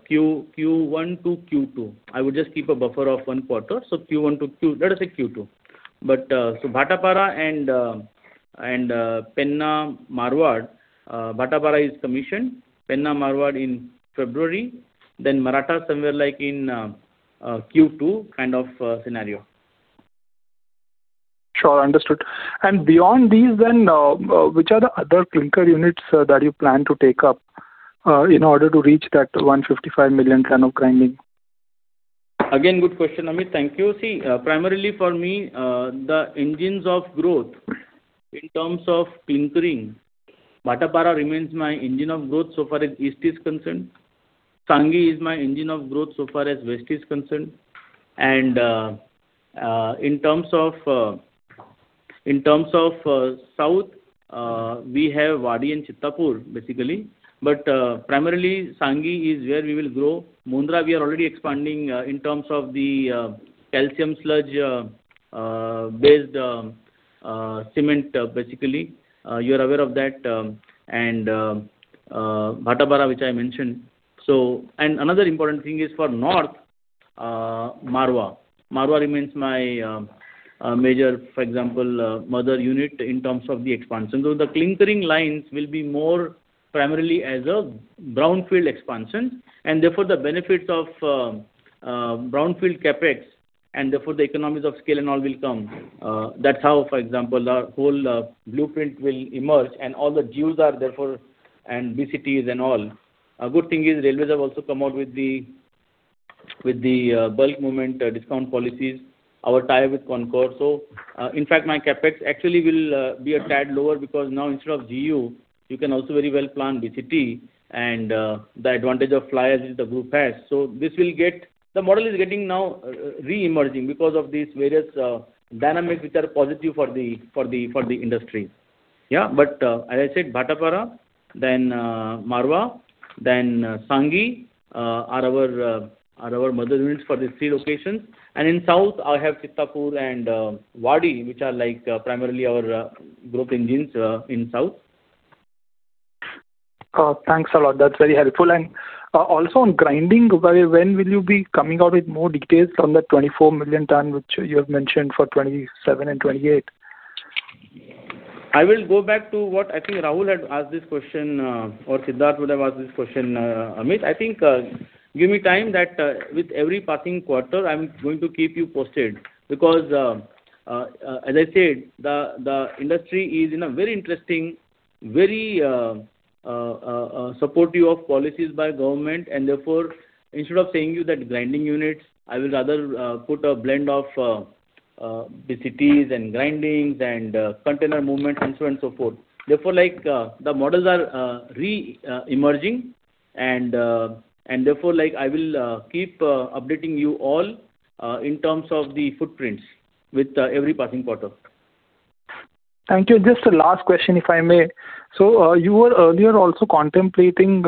to Q2. I would just keep a buffer of one quarter, so Q1 to Q2. But, so Bhatapara and Penna Marwar, Bhatapara is commissioned, Penna Marwar in February, then Maratha somewhere like in Q2 kind of scenario. Sure, understood. And beyond these then, which are the other clinker units that you plan to take up in order to reach that 155 million ton of grinding? Again, good question, Amit. Thank you. See, primarily for me, the engines of growth in terms of clinkering, Bhatapara remains my engine of growth so far as east is concerned. Sanghi is my engine of growth so far as west is concerned. And, in terms of south, we have Wadi and Chittapur, basically. But, primarily, Sanghi is where we will grow. Mundra, we are already expanding, in terms of the calcium sludge based cement, basically. You're aware of that, and Bhatapara, which I mentioned. So... And another important thing is for north, Marwar. Marwar remains my major, for example, mother unit in terms of the expansion. So the clinkering lines will be more-... primarily as a brownfield expansion, and therefore the benefits of, brownfield CapEx, and therefore the economies of scale and all will come. That's how, for example, our whole, blueprint will emerge and all the GU are therefore, and BCTs and all. A good thing is railways have also come out with the, with the, bulk movement discount policies, our tie with CONCOR. In fact, my CapEx actually will, be a tad lower, because now instead of GU, you can also very well plan BCT and, the advantage of fly ash the group has. So this will get. The model is getting now reemerging because of these various, dynamics which are positive for the, for the, for the industry. Yeah, but, as I said, Bhatapara, then, Marwar, then Sanghi, are our, are our mother units for these three locations. In South, I have Chittapur and Wadi, which are like primarily our group engines in South. Thanks a lot. That's very helpful. And, also on grinding, when will you be coming out with more details on the 24 million ton, which you have mentioned for 2027 and 2028? I will go back to what I think Rahul had asked this question, or Siddharth would have asked this question, Amit. I think, give me time that, with every passing quarter, I'm going to keep you posted, because, as I said, the industry is in a very interesting, very, supportive of policies by government, and therefore, instead of saying you that grinding units, I will rather, put a blend of BCTs and grindings and container movement and so on and so forth. Therefore, like, the models are emerging and, and therefore, like, I will keep updating you all in terms of the footprints with every passing quarter. Thank you. Just a last question, if I may. So, you were earlier also contemplating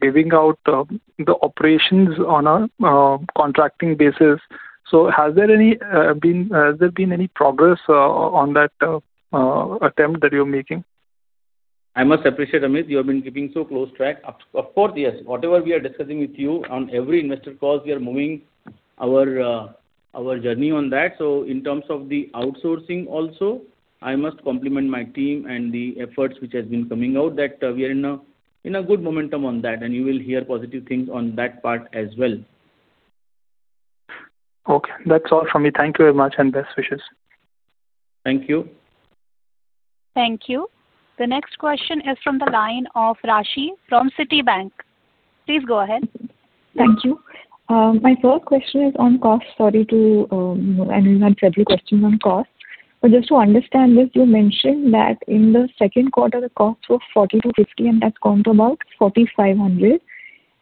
giving out the operations on a contracting basis. So has there been any progress on that attempt that you're making? I must appreciate, Amit, you have been keeping so close track. Of course, yes. Whatever we are discussing with you on every investor call, we are moving our our journey on that. So in terms of the outsourcing also, I must compliment my team and the efforts which has been coming out, that we are in a good momentum on that, and you will hear positive things on that part as well. Okay. That's all from me. Thank you very much, and best wishes. Thank you. Thank you. The next question is from the line of Raashi from Citibank. Please go ahead. Thank you. My first question is on cost. Sorry to ask several questions on cost. But just to understand this, you mentioned that in the second quarter, the costs were 4,000-5,000, and that's gone to about 4,500.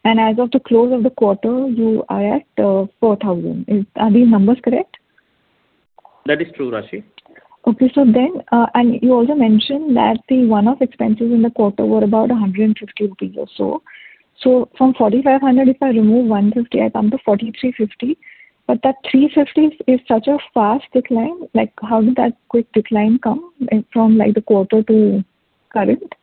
And as of the close of the quarter, you are at 4,000. Is... Are these numbers correct? That is true, Raashi. Okay. So then, and you also mentioned that the one-off expenses in the quarter were about 150 rupees or so. So from 4,500, if I remove 150, I come to 4,350. But that 350 is such a fast decline, like, how did that quick decline come from, like, the quarter to current?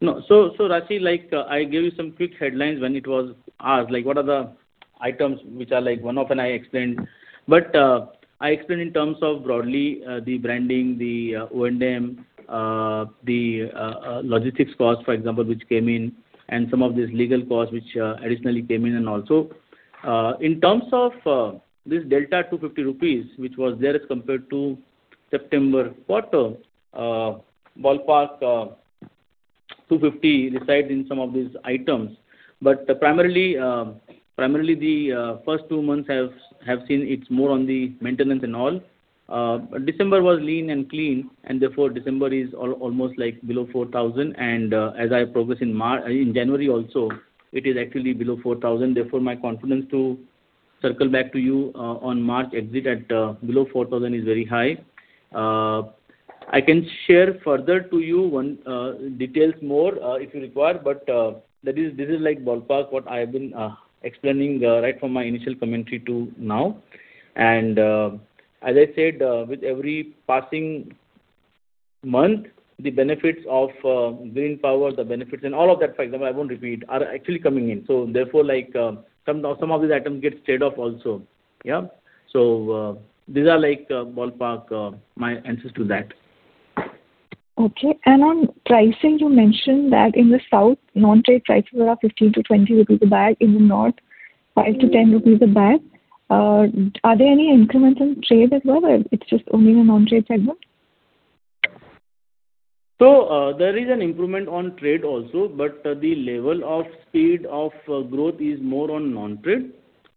No. So, Raashi, like, I gave you some quick headlines when it was asked, like, what are the items which are, like, one-off, and I explained. But, I explained in terms of broadly, the branding, the O&M, the logistics cost, for example, which came in, and some of these legal costs which, additionally came in and also. In terms of, this delta of 250 rupees, which was there as compared to September quarter, ballpark, 250, resides in some of these items. But primarily, primarily the first two months have seen it's more on the maintenance and all. December was lean and clean, and therefore, December is almost, like, below 4,000. And, as I progress in March... In January also, it is actually below 4,000. Therefore, my confidence to circle back to you, on March exit at, below 4,000 is very high. I can share further to you, one, details more, if you require, but, that is, this is like ballpark, what I have been, explaining, right from my initial commentary to now. And, as I said, with every passing month, the benefits of, green power, the benefits and all of that, for example, I won't repeat, are actually coming in. So therefore, like, some, some of these items get paid off also. Yeah. So, these are like, ballpark, my answers to that. Okay. On pricing, you mentioned that in the south, non-trade prices were up 15-20 rupees a bag, in the north, 5-10 rupees a bag. Are there any increments on trade as well, or it's just only in the non-trade segment? So, there is an improvement on trade also, but the level of speed of growth is more on non-trade,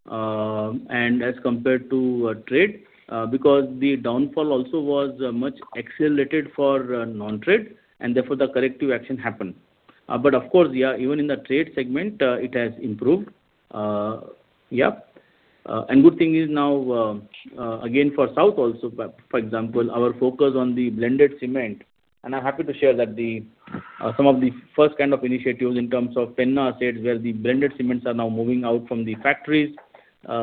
and as compared to trade, because the downfall also was much accelerated for non-trade, and therefore, the corrective action happened. But of course, yeah, even in the trade segment, it has improved. Yeah. And good thing is now, again, for South also, for example, our focus on the blended cement, and I'm happy to share that the... Some of the first kind of initiatives in terms of Penna assets, where the blended cements are now moving out from the factories.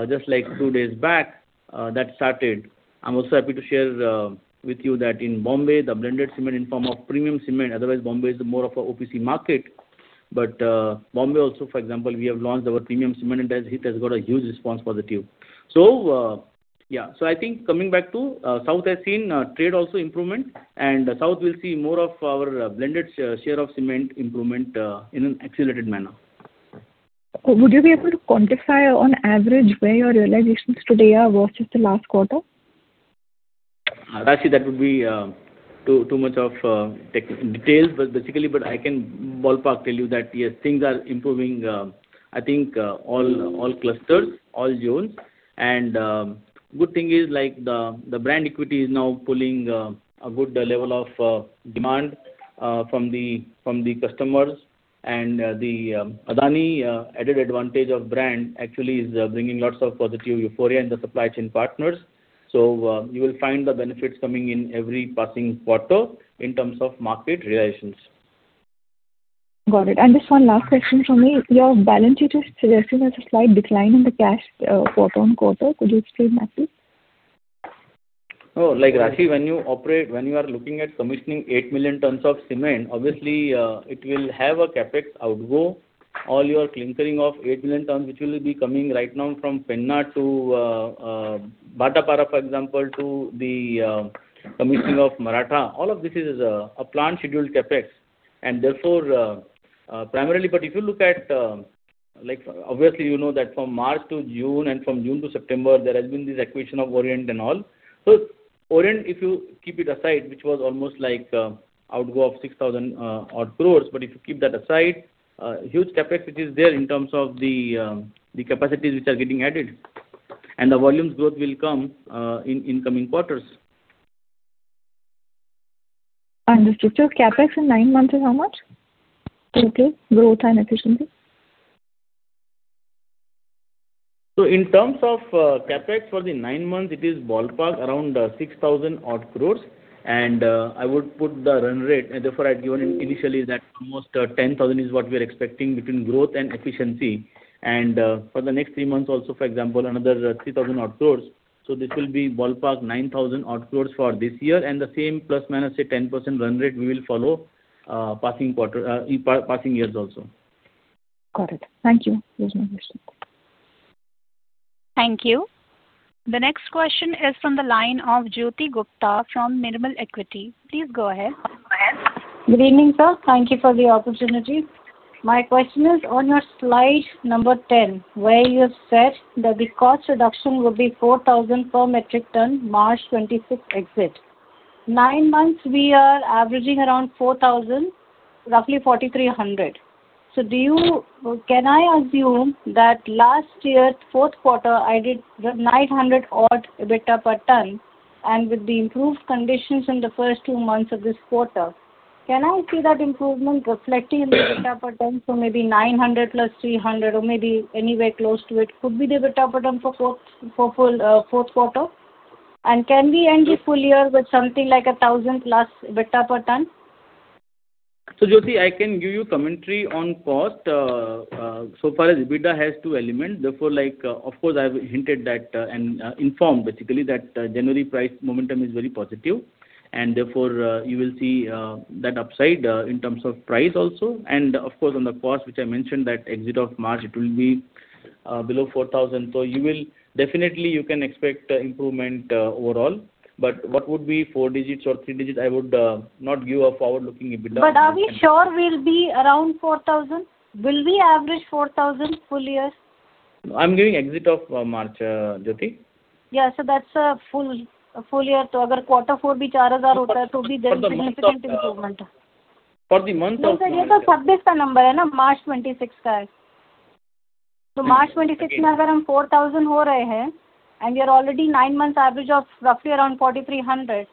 Just like two days back, that started. I'm also happy to share with you that in Bombay, the blended cement in form of premium cement, otherwise Bombay is more of a OPC market.... Bombay also, for example, we have launched our premium cement, and it has got a huge response positive. So, yeah, so I think coming back to, south has seen trade also improvement, and south will see more of our blended share of cement improvement in an accelerated manner. Would you be able to quantify on average where your realizations today are versus the last quarter? Raashi, that would be too, too much of tech- details, but basically, but I can ballpark tell you that, yes, things are improving, I think, all, all clusters, all zones. And good thing is like the, the brand equity is now pulling a good level of demand from the, from the customers. And the Adani added advantage of brand actually is bringing lots of positive euphoria in the supply chain partners. So you will find the benefits coming in every passing quarter in terms of market realizations. Got it. And just one last question from me. Your balance sheet is suggesting there's a slight decline in the cash, quarter-on-quarter. Could you explain that, please? Oh, like, Raashi, when you are looking at commissioning 8 million tons of cement, obviously, it will have a CapEx outgo. All your clinkering of 8 million tons, which will be coming right now from Penna to Bhatapara, for example, to the commissioning of Maratha. All of this is a planned scheduled CapEx, and therefore, primarily. But if you look at, like obviously you know that from March to June, and from June to September, there has been this acquisition of Orient and all. So Orient, if you keep it aside, which was almost like outgo of 6,000-odd crore, but if you keep that aside, huge CapEx, which is there in terms of the capacities which are getting added, and the volumes growth will come in incoming quarters. I understood. CapEx in nine months is how much? Total growth and efficiency. So in terms of CapEx for the nine months, it is ballpark around 6,000 crore. And I would put the run rate, and therefore I'd given initially that almost 10,000 crore is what we are expecting between growth and efficiency. And for the next three months also, for example, another 3,000 crore. So this will be ballpark 9,000 crore for this year, and the same plus or minus, say, 10% run rate we will follow, passing quarter, in passing years also. Got it. Thank you. There's no question. Thank you. The next question is from the line of Jyoti Gupta from Nirmal Bang. Please go ahead. Good evening, sir. Thank you for the opportunity. My question is, on your Slide 10, where you said that the cost reduction will be 4,000 per metric ton, March 2026 exit. Nine months, we are averaging around 4,000, roughly 4,300. So do you... Can I assume that last year's fourth quarter added the 900-odd EBITDA per ton, and with the improved conditions in the first two months of this quarter, can I see that improvement reflecting in the EBITDA per ton? So maybe 900 + 300, or maybe anywhere close to it, could be the EBITDA per ton for fourth, for full, fourth quarter? And can we end the full year with something like 1,000+ EBITDA per ton? So, Jyoti, I think I can give you commentary on cost. So far as EBITDA has two elements, therefore like, of course, I've hinted that, and, informed basically that January price momentum is very positive, and therefore, you will see, that upside, in terms of price also. And of course, on the cost, which I mentioned, that exit of March, it will be, below 4,000. So you will... Definitely, you can expect, improvement, overall, but what would be four digits or three digits? I would, not give a forward-looking EBITDA. But are we sure we'll be around 4,000? Will we average 4,000 full year? I'm giving exit of March, Jyoti. Yeah, so that's a full, a full year. So quarter four, 4,000, so there's significant improvement. For the month of- No, sir, this is the number, March twenty-sixth. So March twenty-sixth, 4,000, and you're already nine months average of roughly around 4,300.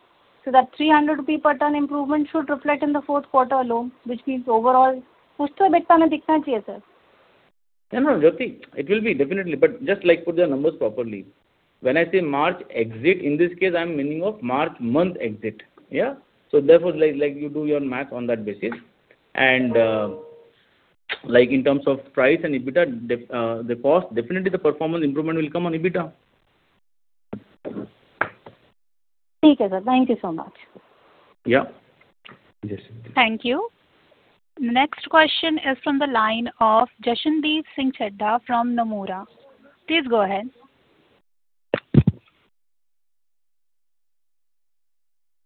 So that 300 rupee per ton improvement should reflect in the fourth quarter alone, which means overall, No, no, Jyoti, it will be definitely, but just, like, put the numbers properly. When I say March exit, in this case, I'm meaning of March month exit. Yeah? So therefore, like, like, you do your math on that basis. And, like in terms of price and EBITDA, definitely the cost, definitely the performance improvement will come on EBITDA. Thank you so much. Yeah. Thank you. Next question is from the line of Jashandeep Singh Chadha from Nomura. Please go ahead.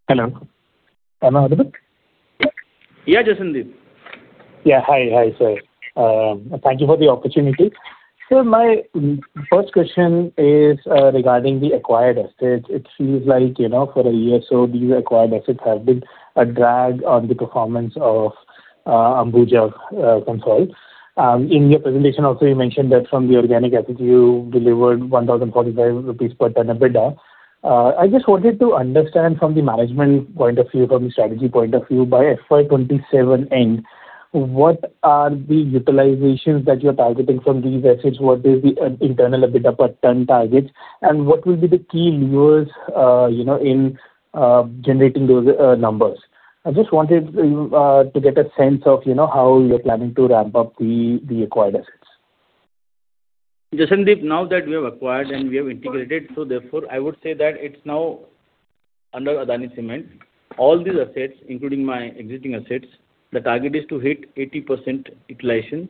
Hello. Am I audible? Yeah, Jashandeep. Yeah. Hi, hi, sir. Thank you for the opportunity. Sir, my first question is regarding the acquired assets. It seems like, you know, for a year or so, these acquired assets have been a drag on the performance of Ambuja Consolidated. In your presentation, also, you mentioned that from the organic assets, you delivered 1,045 rupees per ton EBITDA. I just wanted to understand from the management point of view, from the strategy point of view, by FY 2027 end, what are the utilizations that you're targeting from these assets? What is the internal EBITDA per ton targets, and what will be the key levers, you know, in generating those numbers? I just wanted to get a sense of, you know, how you're planning to ramp up the acquired assets. Jashandeep, now that we have acquired and we have integrated, so therefore I would say that it's now under Adani Cement. All these assets, including my existing assets, the target is to hit 80% utilization,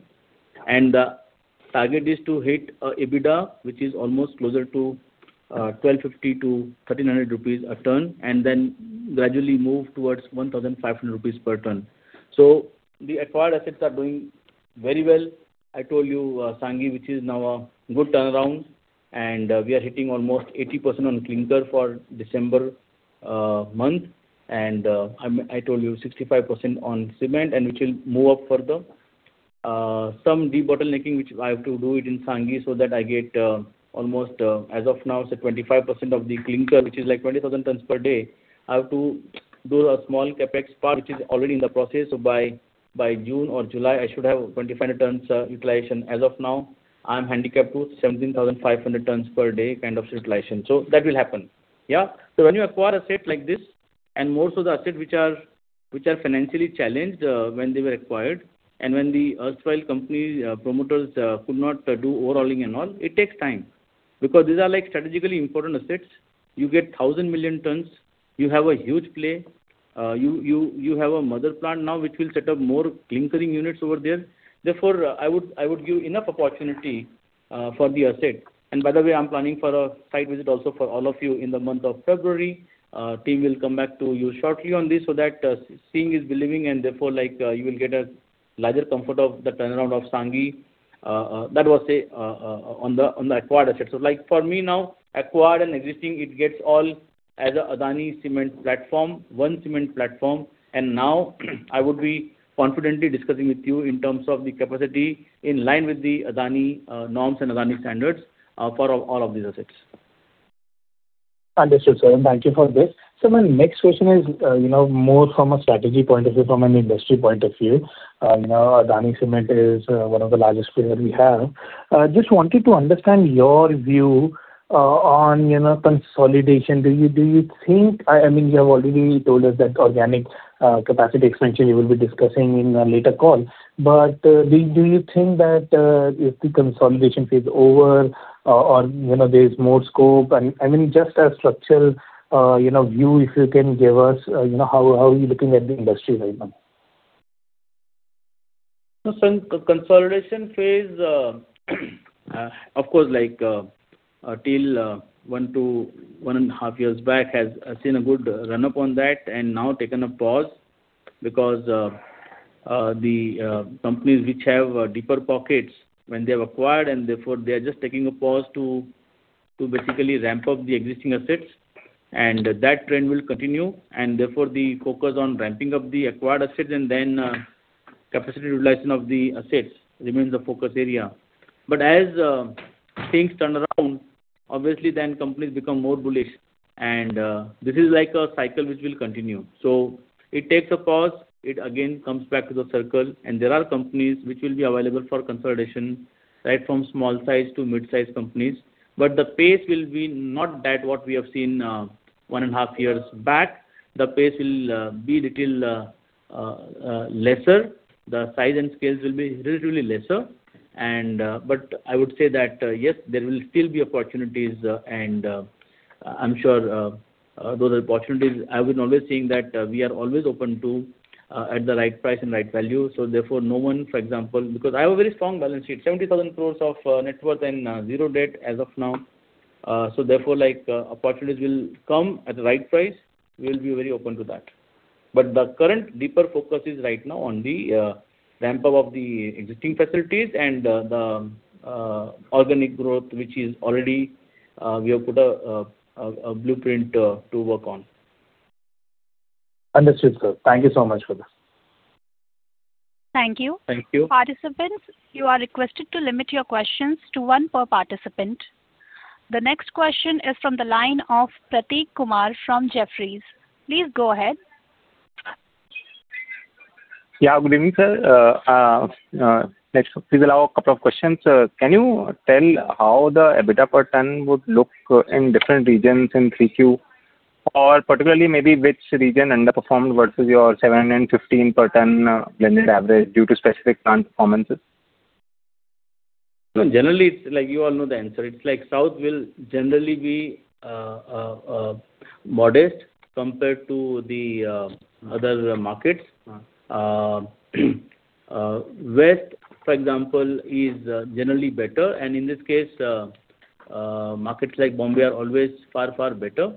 and the target is to hit EBITDA, which is almost closer to 1,250-1,300 rupees a ton, and then gradually move towards 1,500 rupees per ton. So the acquired assets are doing very well. I told you, Sanghi, which is now a good turnaround, and we are hitting almost 80% on clinker for December month, and I told you 65% on cement, and which will move up further. Some debottlenecking, which I have to do it in Sanghi, so that I get, almost, as of now, say, 25% of the clinker, which is like 20,000 tons per day. I have to do a small CapEx part, which is already in the process. So by June or July, I should have 25 tons utilization. As of now, I'm handicapped to 17,500 tons per day kind of utilization. So that will happen. Yeah. So when you acquire asset like this, and most of the assets which are, which are financially challenged, when they were acquired, and when the erstwhile company, promoters, could not do overhauling and all, it takes time. Because these are, like, strategically important assets. You get 1,000 million tons, you have a huge play, you have a mother plant now, which will set up more clinker units over there. Therefore, I would give enough opportunity for the asset. And by the way, I'm planning for a site visit also for all of you in the month of February. Team will come back to you shortly on this, so that seeing is believing, and therefore, like, you will get a larger comfort of the turnaround of Sanghi. That was, say, on the, on the acquired assets. So, like, for me now, acquired and existing, it gets all as a Adani Cement platform, one cement platform. Now, I would be confidently discussing with you in terms of the capacity in line with the Adani norms and Adani standards for all, all of these assets. Understood, sir, and thank you for this. So my next question is, you know, more from a strategy point of view, from an industry point of view. Now, Adani Cement is one of the largest player we have. Just wanted to understand your view on, you know, consolidation. Do you think... I mean, you have already told us that organic capacity expansion you will be discussing in a later call, but do you think that if the consolidation phase over or, you know, there is more scope? And, I mean, just a structural view, if you can give us how are you looking at the industry right now? So consolidation phase, of course, like, till one to one and hal years back, has seen a good run-up on that, and now taken a pause because the companies which have deeper pockets when they have acquired, and therefore they are just taking a pause to basically ramp up the existing assets, and that trend will continue, and therefore the focus on ramping up the acquired assets and then capacity utilization of the assets remains the focus area. But as things turn around, obviously then companies become more bullish, and this is like a cycle which will continue. So it takes a pause, it again comes back to the cycle, and there are companies which will be available for consolidation, right from small size to mid-size companies. But the pace will be not that what we have seen one and a half years back. The pace will be little lesser. The size and scales will be relatively lesser. But I would say that, yes, there will still be opportunities, and I'm sure those are opportunities. I would always saying that we are always open to at the right price and right value. So therefore, no one, for example, because I have a very strong balance sheet, 70,000 crore of net worth and zero debt as of now. So therefore, like, opportunities will come at the right price, we'll be very open to that. The current deeper focus is right now on the ramp up of the existing facilities and the organic growth, which is already we have put a blueprint to work on. Understood, sir. Thank you so much for this. Thank you. Thank you. Participants, you are requested to limit your questions to one per participant. The next question is from the line of Prateek Kumar from Jefferies. Please go ahead. Yeah, good evening, sir. Please allow a couple of questions. Can you tell how the EBITDA per ton would look in different regions in 3Q? Or particularly, maybe which region underperformed versus your 7 and 15 per ton, blended average due to specific plant performances? No, generally, it's like you all know the answer. It's like South will generally be modest compared to the other markets. Uh. West, for example, is generally better, and in this case, markets like Bombay are always far, far better.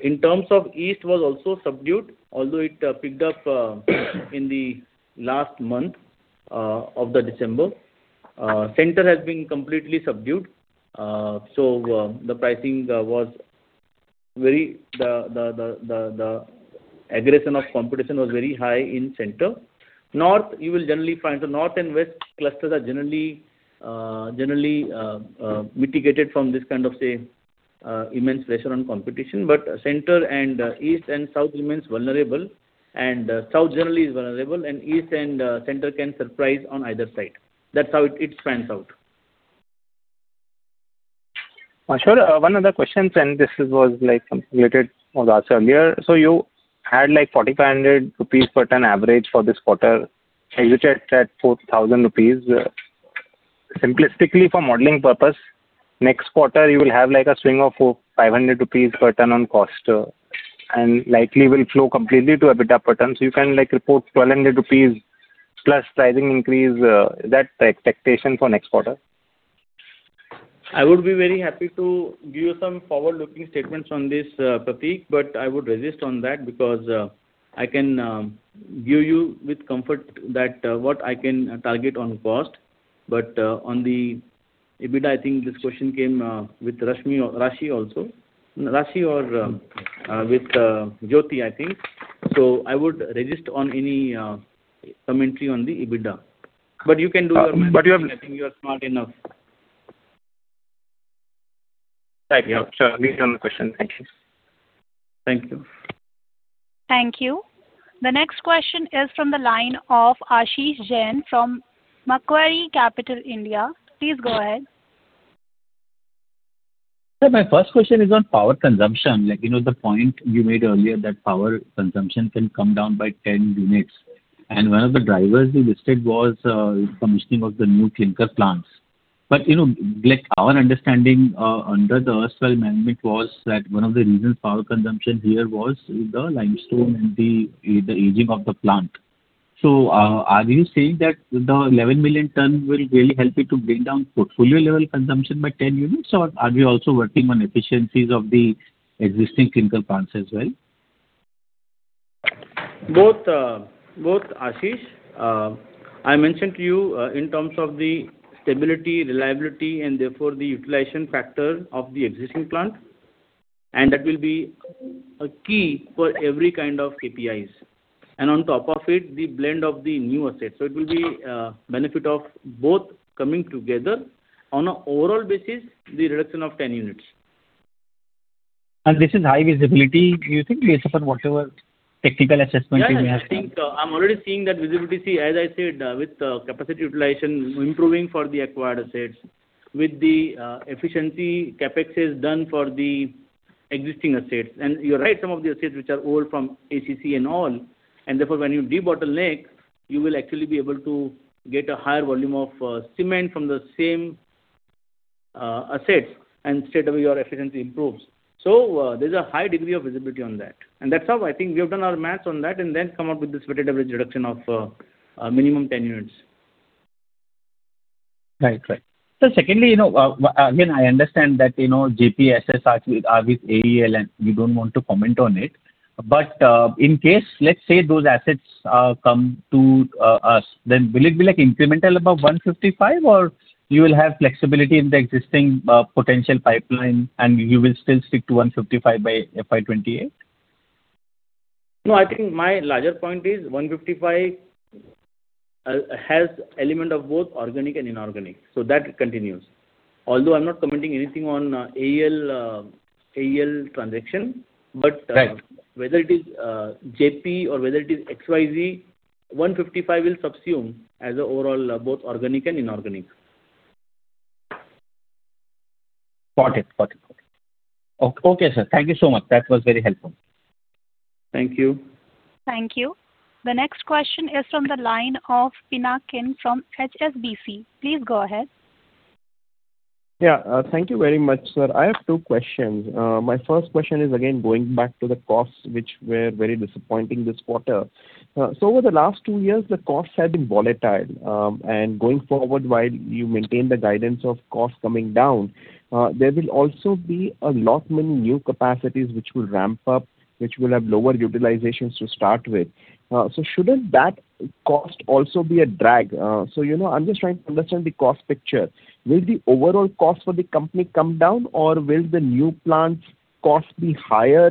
In terms of East was also subdued, although it picked up in the last month of the December. Center has been completely subdued. So, the pricing was very—the aggression of competition was very high in center. North, you will generally find... The North and West clusters are generally mitigated from this kind of, say, immense pressure on competition. But center and East and South remains vulnerable, and South generally is vulnerable, and East and center can surprise on either side. That's how it spans out.... Sure. One other question, and this was like something related was asked earlier. So you had like 4,500 rupees per ton average for this quarter, and you checked at 4,000 rupees. Simplistically, for modeling purpose, next quarter you will have like a swing of, oh, 500 rupees per ton on cost, and likely will flow completely to EBITDA per ton. So you can, like, report 1,200 rupees plus pricing increase, is that the expectation for next quarter? I would be very happy to give you some forward-looking statements on this, Prateek, but I would resist on that because I can give you with comfort that what I can target on cost. But on the EBITDA, I think this question came with Raashi or Raashi also. Raashi or with Jyoti, I think. So I would resist on any commentary on the EBITDA. But you can do your math. But you have- I think you are smart enough. Thank you. Sure, leave it on the question. Thank you. Thank you. Thank you. The next question is from the line of Ashish Jain from Macquarie Capital India. Please go ahead. Sir, my first question is on power consumption. Like, you know, the point you made earlier that power consumption can come down by 10 units, and one of the drivers you listed was commissioning of the new clinker plants. But, you know, like, our understanding under the current management was that one of the reasons power consumption here was the limestone and the aging of the plant. So, are you saying that the 11 million tons will really help you to bring down portfolio-level consumption by 10 units, or are we also working on efficiencies of the existing clinker plants as well? Both, both, Ashish. I mentioned to you in terms of the stability, reliability, and therefore the utilization factor of the existing plant, and that will be a key for every kind of KPIs. And on top of it, the blend of the new assets. So it will be benefit of both coming together on a overall basis, the reduction of 10 units. This is high visibility, do you think, based upon whatever technical assessment you have? Yeah, I think, I'm already seeing that visibility. As I said, with, capacity utilization improving for the acquired assets, with the, efficiency CapEx is done for the existing assets. And you're right, some of the assets which are old from ACC and all, and therefore, when you debottleneck, you will actually be able to get a higher volume of, cement from the same, assets, and straightaway your efficiency improves. So, there's a high degree of visibility on that. And that's how I think we have done our maths on that and then come up with this weighted average reduction of, a minimum 10 units. Right. Right. So secondly, you know, again, I understand that, you know, JP assets are, are with AEL, and you don't want to comment on it. But, in case, let's say those assets, come to, us, then will it be like incremental above 155, or you will have flexibility in the existing, potential pipeline, and you will still stick to 155 by FY 2028? No, I think my larger point is 155 has element of both organic and inorganic, so that continues. Although I'm not commenting anything on AEL AEL transaction, but- Right. Whether it is JP or whether it is XYZ, 155 will subsume as an overall both organic and inorganic. Got it. Got it. Okay, sir. Thank you so much. That was very helpful. Thank you. Thank you. The next question is from the line of Pinakin from HSBC. Please go ahead. Yeah, thank you very much, sir. I have two questions. My first question is, again, going back to the costs, which were very disappointing this quarter. So over the last two years, the costs have been volatile. And going forward, while you maintain the guidance of costs coming down, there will also be a lot many new capacities which will ramp up, which will have lower utilizations to start with. So shouldn't that cost also be a drag? So, you know, I'm just trying to understand the cost picture. Will the overall cost for the company come down, or will the new plants' cost be higher,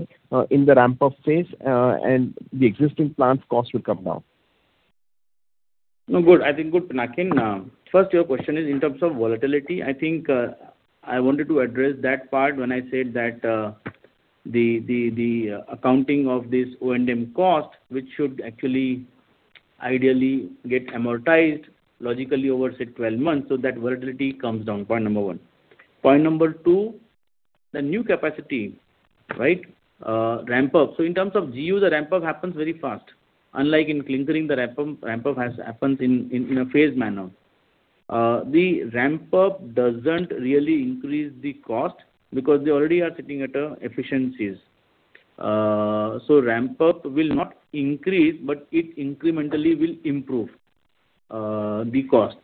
in the ramp-up phase, and the existing plants' cost will come down? No, good. I think good, Pinakin. First, your question is in terms of volatility. I think, I wanted to address that part when I said that, the accounting of this O&M cost, which should actually ideally get amortized logically over, say, 12 months, so that volatility comes down. Point number one. Point number two, the new capacity, right, ramp up. So in terms of GU, the ramp up happens very fast. Unlike in clinkering, the ramp up happens in a phased manner. The ramp up doesn't really increase the cost because they already are sitting at efficiencies. So ramp up will not increase, but it incrementally will improve the costs.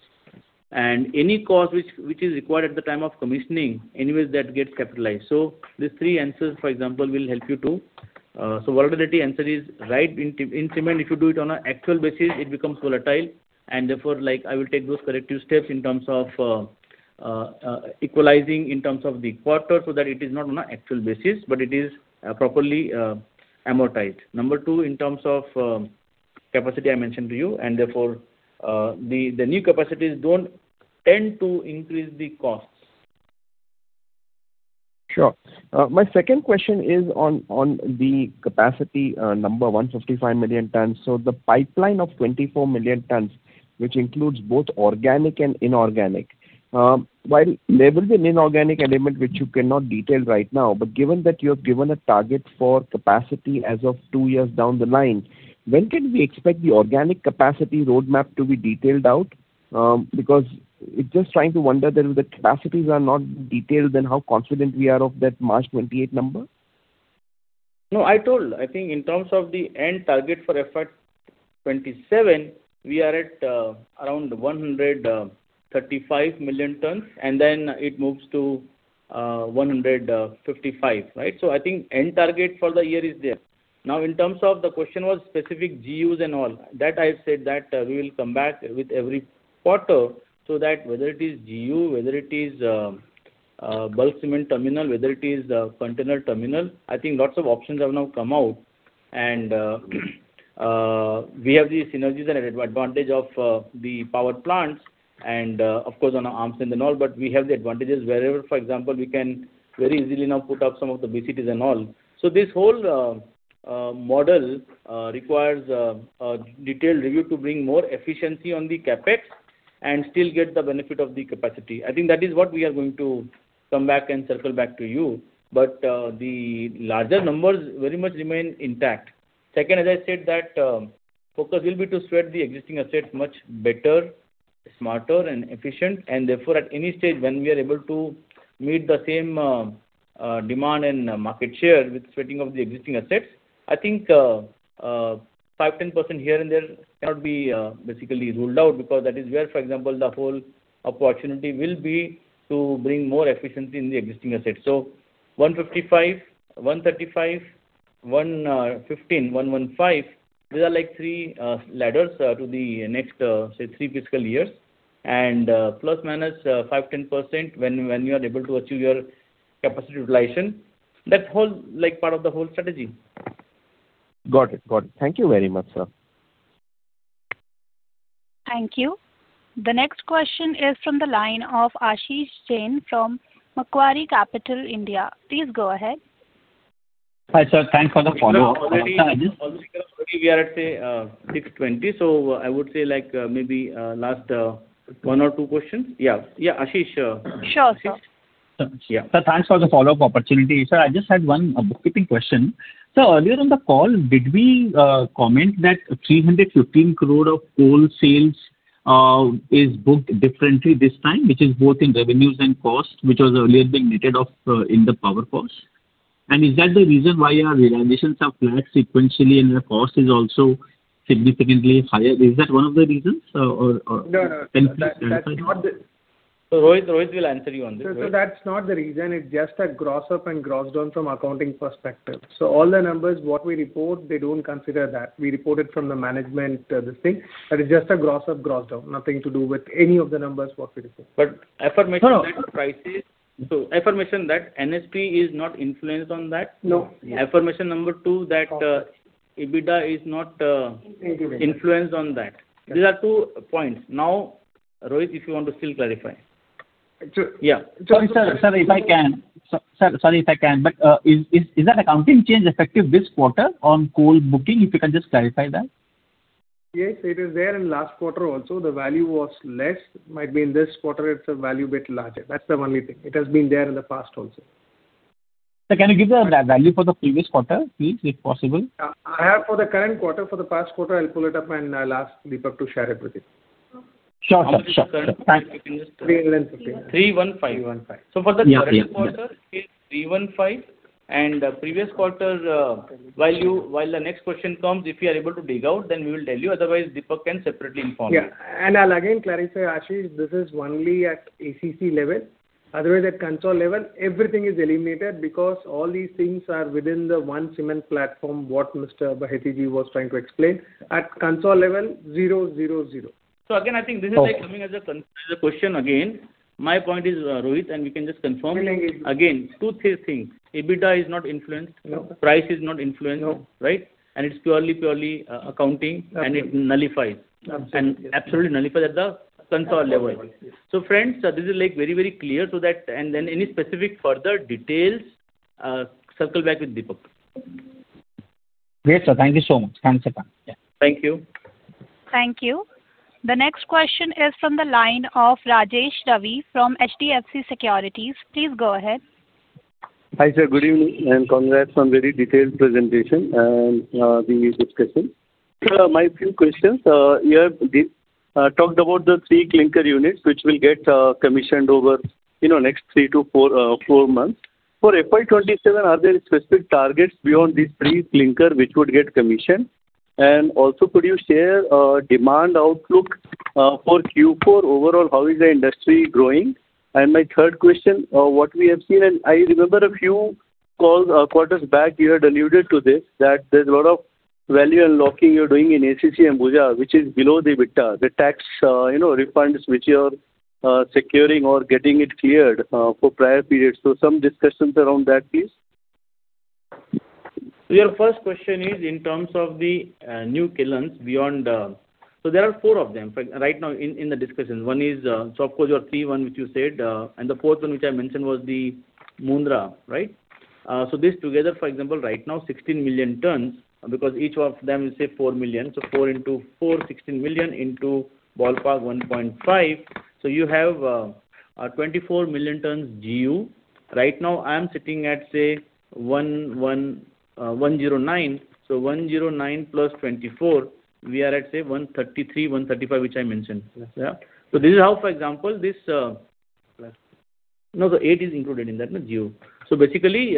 And any cost which is required at the time of commissioning, anyways, that gets capitalized. So these three answers, for example, will help you to... so volatility answer is right. In cement, if you do it on an actual basis, it becomes volatile, and therefore, like, I will take those corrective steps in terms of equalizing in terms of the quarter, so that it is not on an actual basis, but it is properly amortized. Number two, in terms of capacity, I mentioned to you, and therefore, the new capacities don't tend to increase the costs.... Sure. My second question is on the capacity, number 155 million tons. So the pipeline of 24 million tons, which includes both organic and inorganic. While there is an inorganic element which you cannot detail right now, but given that you have given a target for capacity as of 2 years down the line, when can we expect the organic capacity roadmap to be detailed out? Because it's just trying to wonder that if the capacities are not detailed, then how confident we are of that March 2028 number? No, I told, I think in terms of the end target for FY 2027, we are at, around 135 million tons, and then it moves to, 155, right? So I think end target for the year is there. Now, in terms of the question was specific GUs and all, that I've said that, we will come back with every quarter, so that whether it is GU, whether it is, bulk cement terminal, whether it is, container terminal, I think lots of options have now come out. And, we have these synergies and advantage of, the power plants and, of course, on our arms and then all, but we have the advantages wherever, for example, we can very easily now put up some of the BCTs and all. So this whole model requires a detailed review to bring more efficiency on the CapEx and still get the benefit of the capacity. I think that is what we are going to come back and circle back to you. But the larger numbers very much remain intact. Second, as I said, that focus will be to spread the existing assets much better, smarter, and efficient, and therefore, at any stage, when we are able to meet the same demand and market share with spreading of the existing assets, I think 5%-10% here and there cannot be basically ruled out, because that is where, for example, the whole opportunity will be to bring more efficiency in the existing assets. 155, 135, 115, 115, these are like three ladders to the next, say, three fiscal years, and ±5%-10% when you are able to achieve your capacity utilization. That's whole, like, part of the whole strategy. Got it. Got it. Thank you very much, sir. Thank you. The next question is from the line of Ashish Jain from Macquarie Capital India. Please go ahead. Hi, sir. Thanks for the follow-up. We are at, say, 6:20, so I would say, like, maybe last one or two questions. Yeah. Yeah, Ashish, Sure, sir. Yeah. Sir, thanks for the follow-up opportunity. Sir, I just had one bookkeeping question. Sir, earlier in the call, did we comment that 315 crore of coal sales is booked differently this time, which is both in revenues and costs, which was earlier being netted off in the power costs? And is that the reason why our realizations are flat sequentially and the cost is also significantly higher? Is that one of the reasons, or, or- No, no. Can you please clarify? That's not the... So, Rohit, Rohit will answer you on this. Sir, so that's not the reason. It's just a gross up and gross down from accounting perspective. So all the numbers, what we report, they don't consider that. We report it from the management, this thing. That is just a gross up, gross down. Nothing to do with any of the numbers, what we report. But affirmation that prices- No. So affirmation that NSP is not influenced on that? No. Affirmation number two, that EBITDA is not influenced on that. These are two points. Now, Rohit, if you want to still clarify. True. Yeah. Sorry, sir. Sir, if I can. Sir, sorry, if I can, but is that accounting change effective this quarter on coal booking? If you can just clarify that. Yes, it is there in last quarter also, the value was less. Might be in this quarter, it's a value bit larger. That's the only thing. It has been there in the past also. Sir, can you give the value for the previous quarter, please, if possible? I have for the current quarter. For the past quarter, I'll pull it up and I'll ask Deepak to share it with you. Sure, sir. Sure, sure. Thanks. 315. 315. 315. Yeah, yeah. So for the current quarter, it's 315, and previous quarter, while the next question comes, if you are able to dig out, then we will tell you. Otherwise, Deepak can separately inform you. Yeah, and I'll again clarify, Ashish, this is only at ACC level. Otherwise, at consolidated level, everything is eliminated because all these things are within the one cement platform, what Mr. Bahety was trying to explain. At consolidated level, zero, zero, zero. So again, I think this is like- Okay. Coming as a question again. My point is, Rohit, and we can just confirm. Confirm it. Again, 2, 3 things. EBITDA is not influenced. No. Price is not influenced. No. Right? And it's purely, purely, accounting- Absolutely. It nullifies. Absolutely. Absolutely nullifies at the console level. Console level, yes. So friends, this is like very, very clear, so that and then any specific further details, circle back with Deepak. Great, sir. Thank you so much. Thanks a ton. Yeah. Thank you. Thank you. The next question is from the line of Rajesh Ravi from HDFC Securities. Please go ahead. Hi, sir, good evening, and congrats on very detailed presentation and, the discussion. So my few questions, you have talked about the 3 clinker units, which will get commissioned over, you know, next three to foir months. For FY 2027, are there specific targets beyond these 3 clinker which would get commissioned? And also, could you share demand outlook for Q4? Overall, how is the industry growing? And my third question, what we have seen, and I remember a few calls or quarters back, you had alluded to this, that there's a lot of value unlocking you're doing in ACC Ambuja, which is below the EBITDA, the tax, you know, refunds which you are securing or getting it cleared for prior periods. So some discussions around that, please. ...So your first question is in terms of the new kilns beyond—so there are four of them right now in the discussions. One is, so of course your three one, which you said, and the fourth one, which I mentioned, was the Mundra, right? So this together, for example, right now, 16 million tons, because each one of them is, say, 4 million. So 4 into 4, 16 million into ballpark 1.5. So you have 24 million tons GU. Right now I'm sitting at, say, 109. So 109 plus 24, we are at, say, 133, 135, which I mentioned. Yeah. So this is how, for example, this... No, the 8 is included in that, the GU. So basically,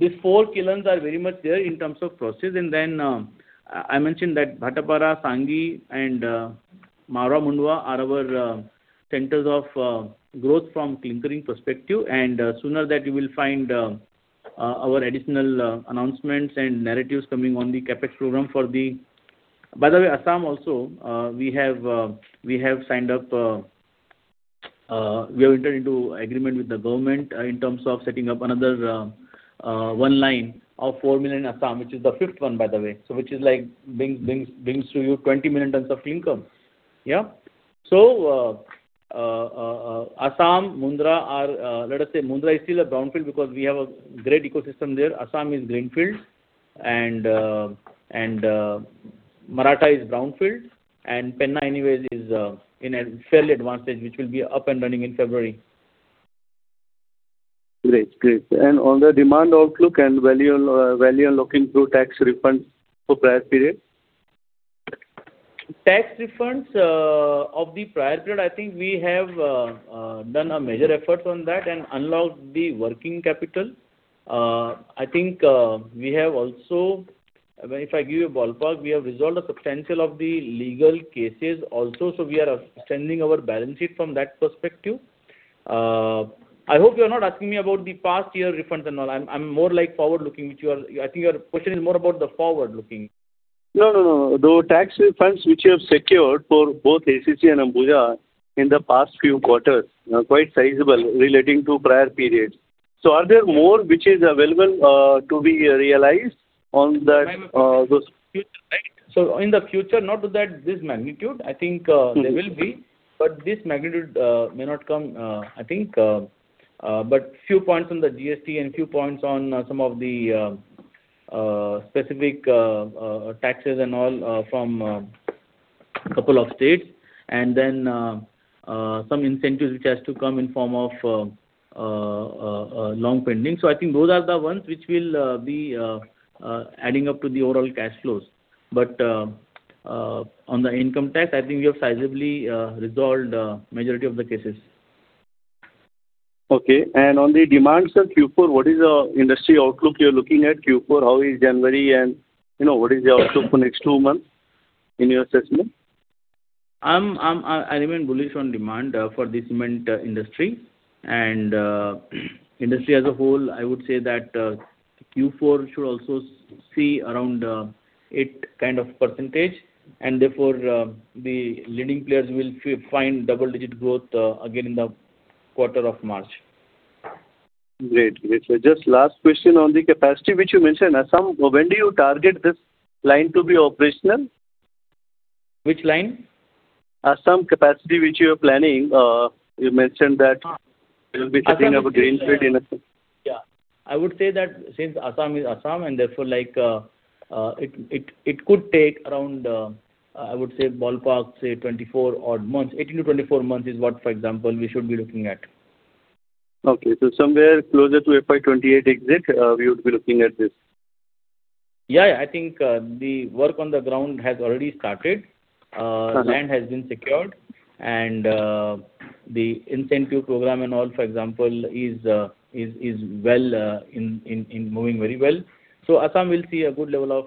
these four kilns are very much there in terms of process. And then, I mentioned that Bhatapara, Sanghi and Marwar Mundra are our centers of growth from clinkering perspective. And sooner that you will find our additional announcements and narratives coming on the CapEx program for the... By the way, Assam also, we have signed up, we have entered into agreement with the government, in terms of setting up another one line of 4 million in Assam, which is the fifth one, by the way. So which is like, brings, brings, brings to you 20 million tons of clinker. Yeah? So, Assam, Mundra are, let us say Mundra is still a brownfield, because we have a great ecosystem there. Assam is greenfield, and Maratha is brownfield, and Penna anyways is in a fairly advanced stage, which will be up and running in February. Great, great. And on the demand outlook and value, value unlocking through tax refunds for prior period? Tax refunds of the prior period, I think we have done a major effort on that and unlocked the working capital. I think we have also... I mean, if I give you a ballpark, we have resolved a substantial of the legal cases also, so we are extending our balance sheet from that perspective. I hope you are not asking me about the past year refunds and all. I'm more like forward-looking, which you are. I think your question is more about the forward-looking. No, no, no. The tax refunds which you have secured for both ACC and Ambuja in the past few quarters are quite sizable relating to prior periods. So are there more which is available to be realized on that, those? So in the future, not to that magnitude, I think there will be, but this magnitude may not come, I think, but few points on the GST and few points on some of the specific taxes and all from couple of states, and then some incentives which has to come in form of long pending. So I think those are the ones which will be adding up to the overall cash flows. But on the income tax, I think we have sizably resolved majority of the cases. Okay. On the demands on Q4, what is the industry outlook you're looking at Q4? How is January, and, you know, what is the outlook for next two months in your assessment? I remain bullish on demand for the cement industry. And industry as a whole, I would say that Q4 should also see around 8 kind of percentage, and therefore the leading players will find double-digit growth again in the quarter of March. Great. Great. So just last question on the capacity which you mentioned. Assam, when do you target this line to be operational? Which line? Assam capacity, which you are planning. You mentioned that- Ah. There will be something of a greenfield in Assam. Yeah. I would say that since Assam is Assam, and therefore, like, it, it, it could take around, I would say ballpark, say 24-odd months. 18-24 months is what, for example, we should be looking at. Okay. So somewhere closer to FY 28 exit, we would be looking at this? Yeah, I think, the work on the ground has already started. Uh-huh. Land has been secured, and the incentive program and all, for example, is well in moving very well. So Assam will see a good level of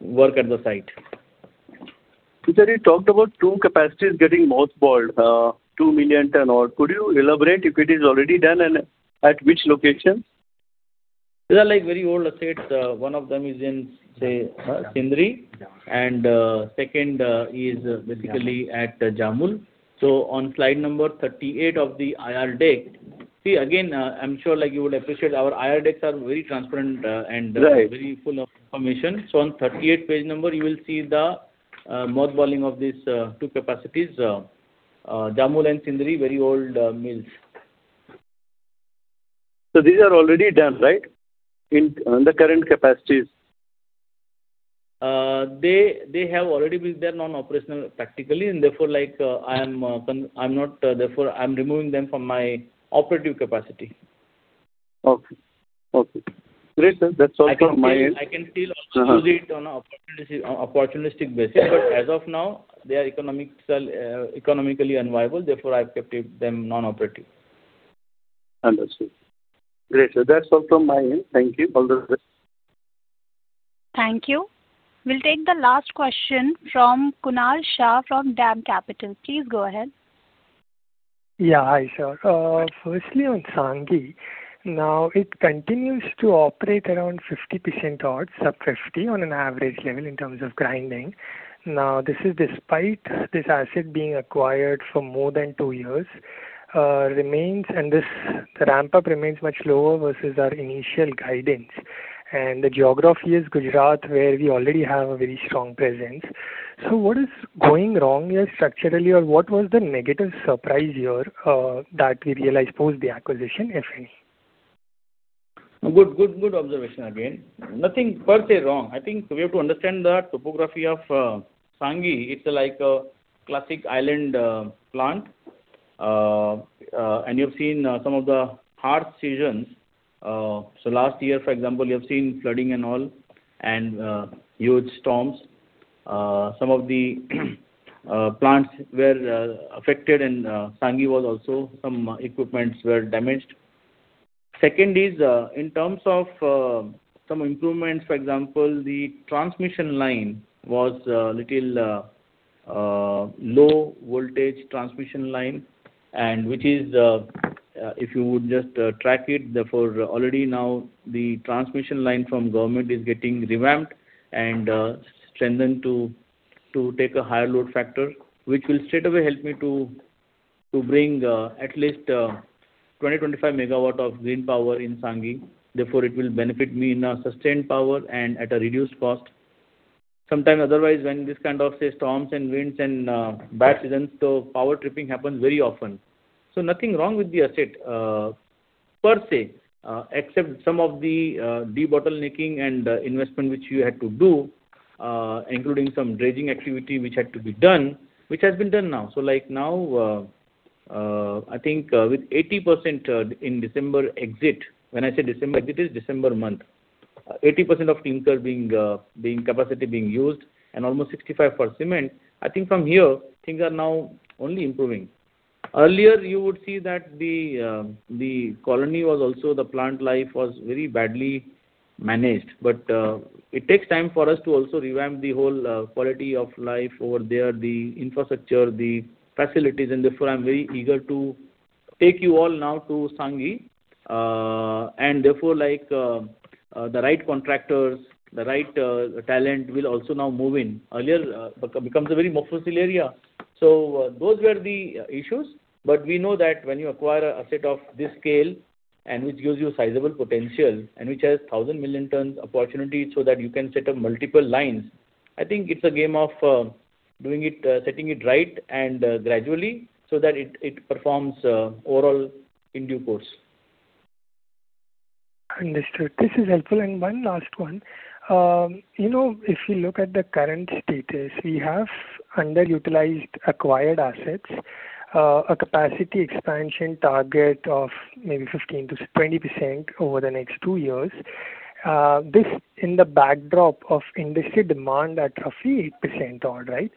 work at the site. Sir, you talked about two capacities getting mothballed, 2 million tons odd. Could you elaborate if it is already done, and at which locations? These are, like, very old assets. One of them is in, say, Sindri, and second is basically at Jamul. So on Slide 38 of the IR deck... See, again, I'm sure, like, you would appreciate our IR decks are very transparent, and- Right... very full of information. So on Page 38, you will see the mothballing of these two capacities, Jamul and Sindri, very old mills. So these are already done, right? In the current capacities. They have already been there non-operational practically, and therefore, like, I'm not, therefore, I'm removing them from my operative capacity. Okay. Okay. Great, sir. That's all from my end. I can still use it on an opportunistic basis, but as of now, the economics are economically unviable. Therefore, I've kept them non-operative. Understood. Great, sir. That's all from my end. Thank you. All the best. Thank you. We'll take the last question from Kunal Shah from DAM Capital. Please go ahead. Yeah, hi, sir. Firstly, on Sanghi, now, it continues to operate around 50% odd, sub-50%, on an average level in terms of grinding. Now, this is despite this asset being acquired for more than two years, the ramp-up remains much lower versus our initial guidance. And the geography is Gujarat, where we already have a very strong presence. So what is going wrong here structurally, or what was the negative surprise here, that we realized post the acquisition, if any? Good, good, good observation again. Nothing per se wrong. I think we have to understand the topography of Sanghi. It's like a classic island plant. And you've seen some of the harsh seasons. So last year, for example, you have seen flooding and all, and huge storms. Some of the plants were affected, and Sanghi was also, some equipments were damaged. Second is, in terms of some improvements, for example, the transmission line was a little low voltage transmission line, and which is, if you would just track it, therefore, already now the transmission line from government is getting revamped and strengthened to take a higher load factor, which will straightaway help me to bring at least 20-25 MW of green power in Sanghi. Therefore, it will benefit me in a sustained power and at a reduced cost. Sometimes otherwise, when this kind of, say, storms and winds and, bad seasons, so power tripping happens very often. So nothing wrong with the asset, per se, except some of the, debottlenecking and investment which you had to do, including some dredging activity which had to be done, which has been done now. So like now, I think, with 80%, in December exit. When I say December exit, it's December month. 80% of clinker being, being, capacity being used, and almost 65 for cement. I think from here, things are now only improving. Earlier, you would see that the colony was also the plant life was very badly managed, but it takes time for us to also revamp the whole quality of life over there, the infrastructure, the facilities, and therefore, I'm very eager to take you all now to Sanghi. And therefore, like, the right contractors, the right talent will also now move in. Earlier, becomes a very merciless area. So those were the issues. But we know that when you acquire a asset of this scale, and which gives you sizable potential, and which has 1,000 million tons opportunity so that you can set up multiple lines, I think it's a game of doing it, setting it right and gradually, so that it performs overall in due course. Understood. This is helpful. And one last one. You know, if you look at the current status, we have underutilized acquired assets, a capacity expansion target of maybe 15%-20% over the next two years. This in the backdrop of industry demand at roughly 8% odd, right?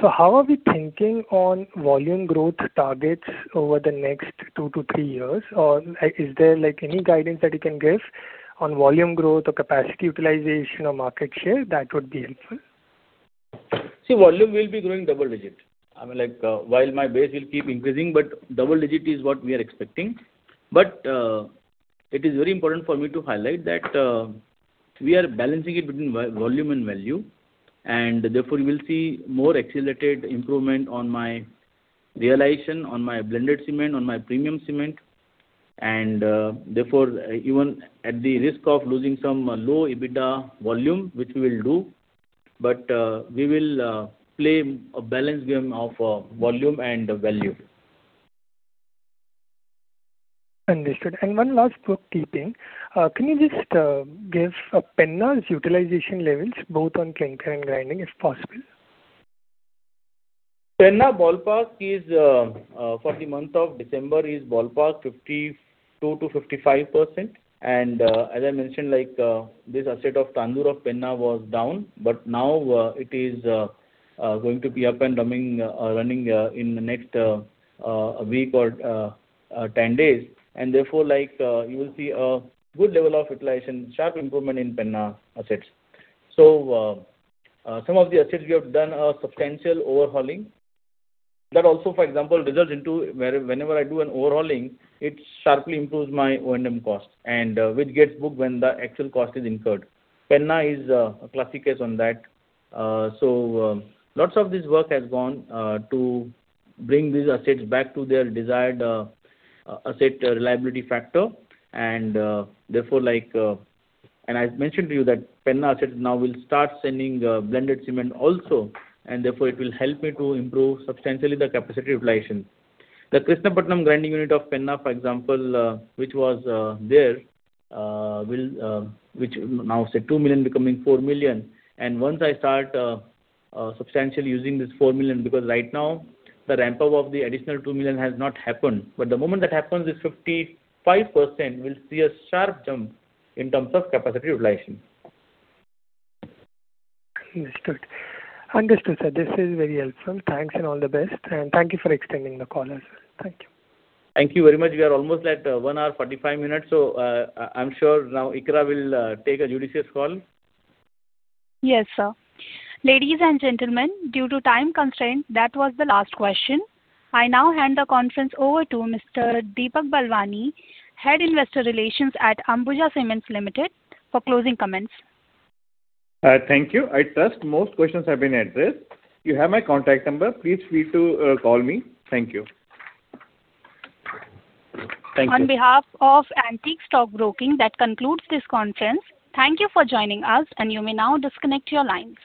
So how are we thinking on volume growth targets over the next two to three years? Or is there, like, any guidance that you can give on volume growth or capacity utilization or market share? That would be helpful. See, volume will be growing double-digit. I mean, like, while my base will keep increasing, but double-digit is what we are expecting. But it is very important for me to highlight that we are balancing it between volume and value, and therefore, we will see more accelerated improvement on my realization, on my blended cement, on my premium cement. And therefore, even at the risk of losing some low EBITDA volume, which we will do, but we will play a balanced game of volume and value. Understood. And one last bookkeeping. Can you just give Penna's utilization levels, both on clinker and grinding, if possible? Penna ballpark is, for the month of December, is ballpark 52%-55%. And, as I mentioned, like, this asset of Tandur of Penna was down, but now, it is going to be up and running in the next week or 10 days. And therefore, like, you will see a good level of utilization, sharp improvement in Penna assets. So, some of the assets we have done a substantial overhauling. That also, for example, results into where whenever I do an overhauling, it sharply improves my O&M costs, and which gets booked when the actual cost is incurred. Penna is a classic case on that. So, lots of this work has gone to bring these assets back to their desired asset reliability factor. Therefore, like, I mentioned to you that Penna assets now will start sending blended cement also, and therefore it will help me to improve substantially the capacity utilization. The Krishnapatnam grinding unit of Penna, for example, which now, say, 2 million becoming 4 million. And once I start substantially using this 4 million, because right now, the ramp-up of the additional 2 million has not happened. But the moment that happens, this 55% will see a sharp jump in terms of capacity utilization. Understood. Understood, sir. This is very helpful. Thanks, and all the best, and thank you for extending the call as well. Thank you. Thank you very much. We are almost at 1 hour, 45 minutes, so I'm sure now Iqra will take a judicious call. Yes, sir. Ladies and gentlemen, due to time constraint, that was the last question. I now hand the conference over to Mr. Deepak Balwani, Head Investor Relations at Ambuja Cements Limited, for closing comments. Thank you. I trust most questions have been addressed. You have my contact number. Please feel free to call me. Thank you. Thank you. On behalf of Antique Stock Broking, that concludes this conference. Thank you for joining us, and you may now disconnect your line.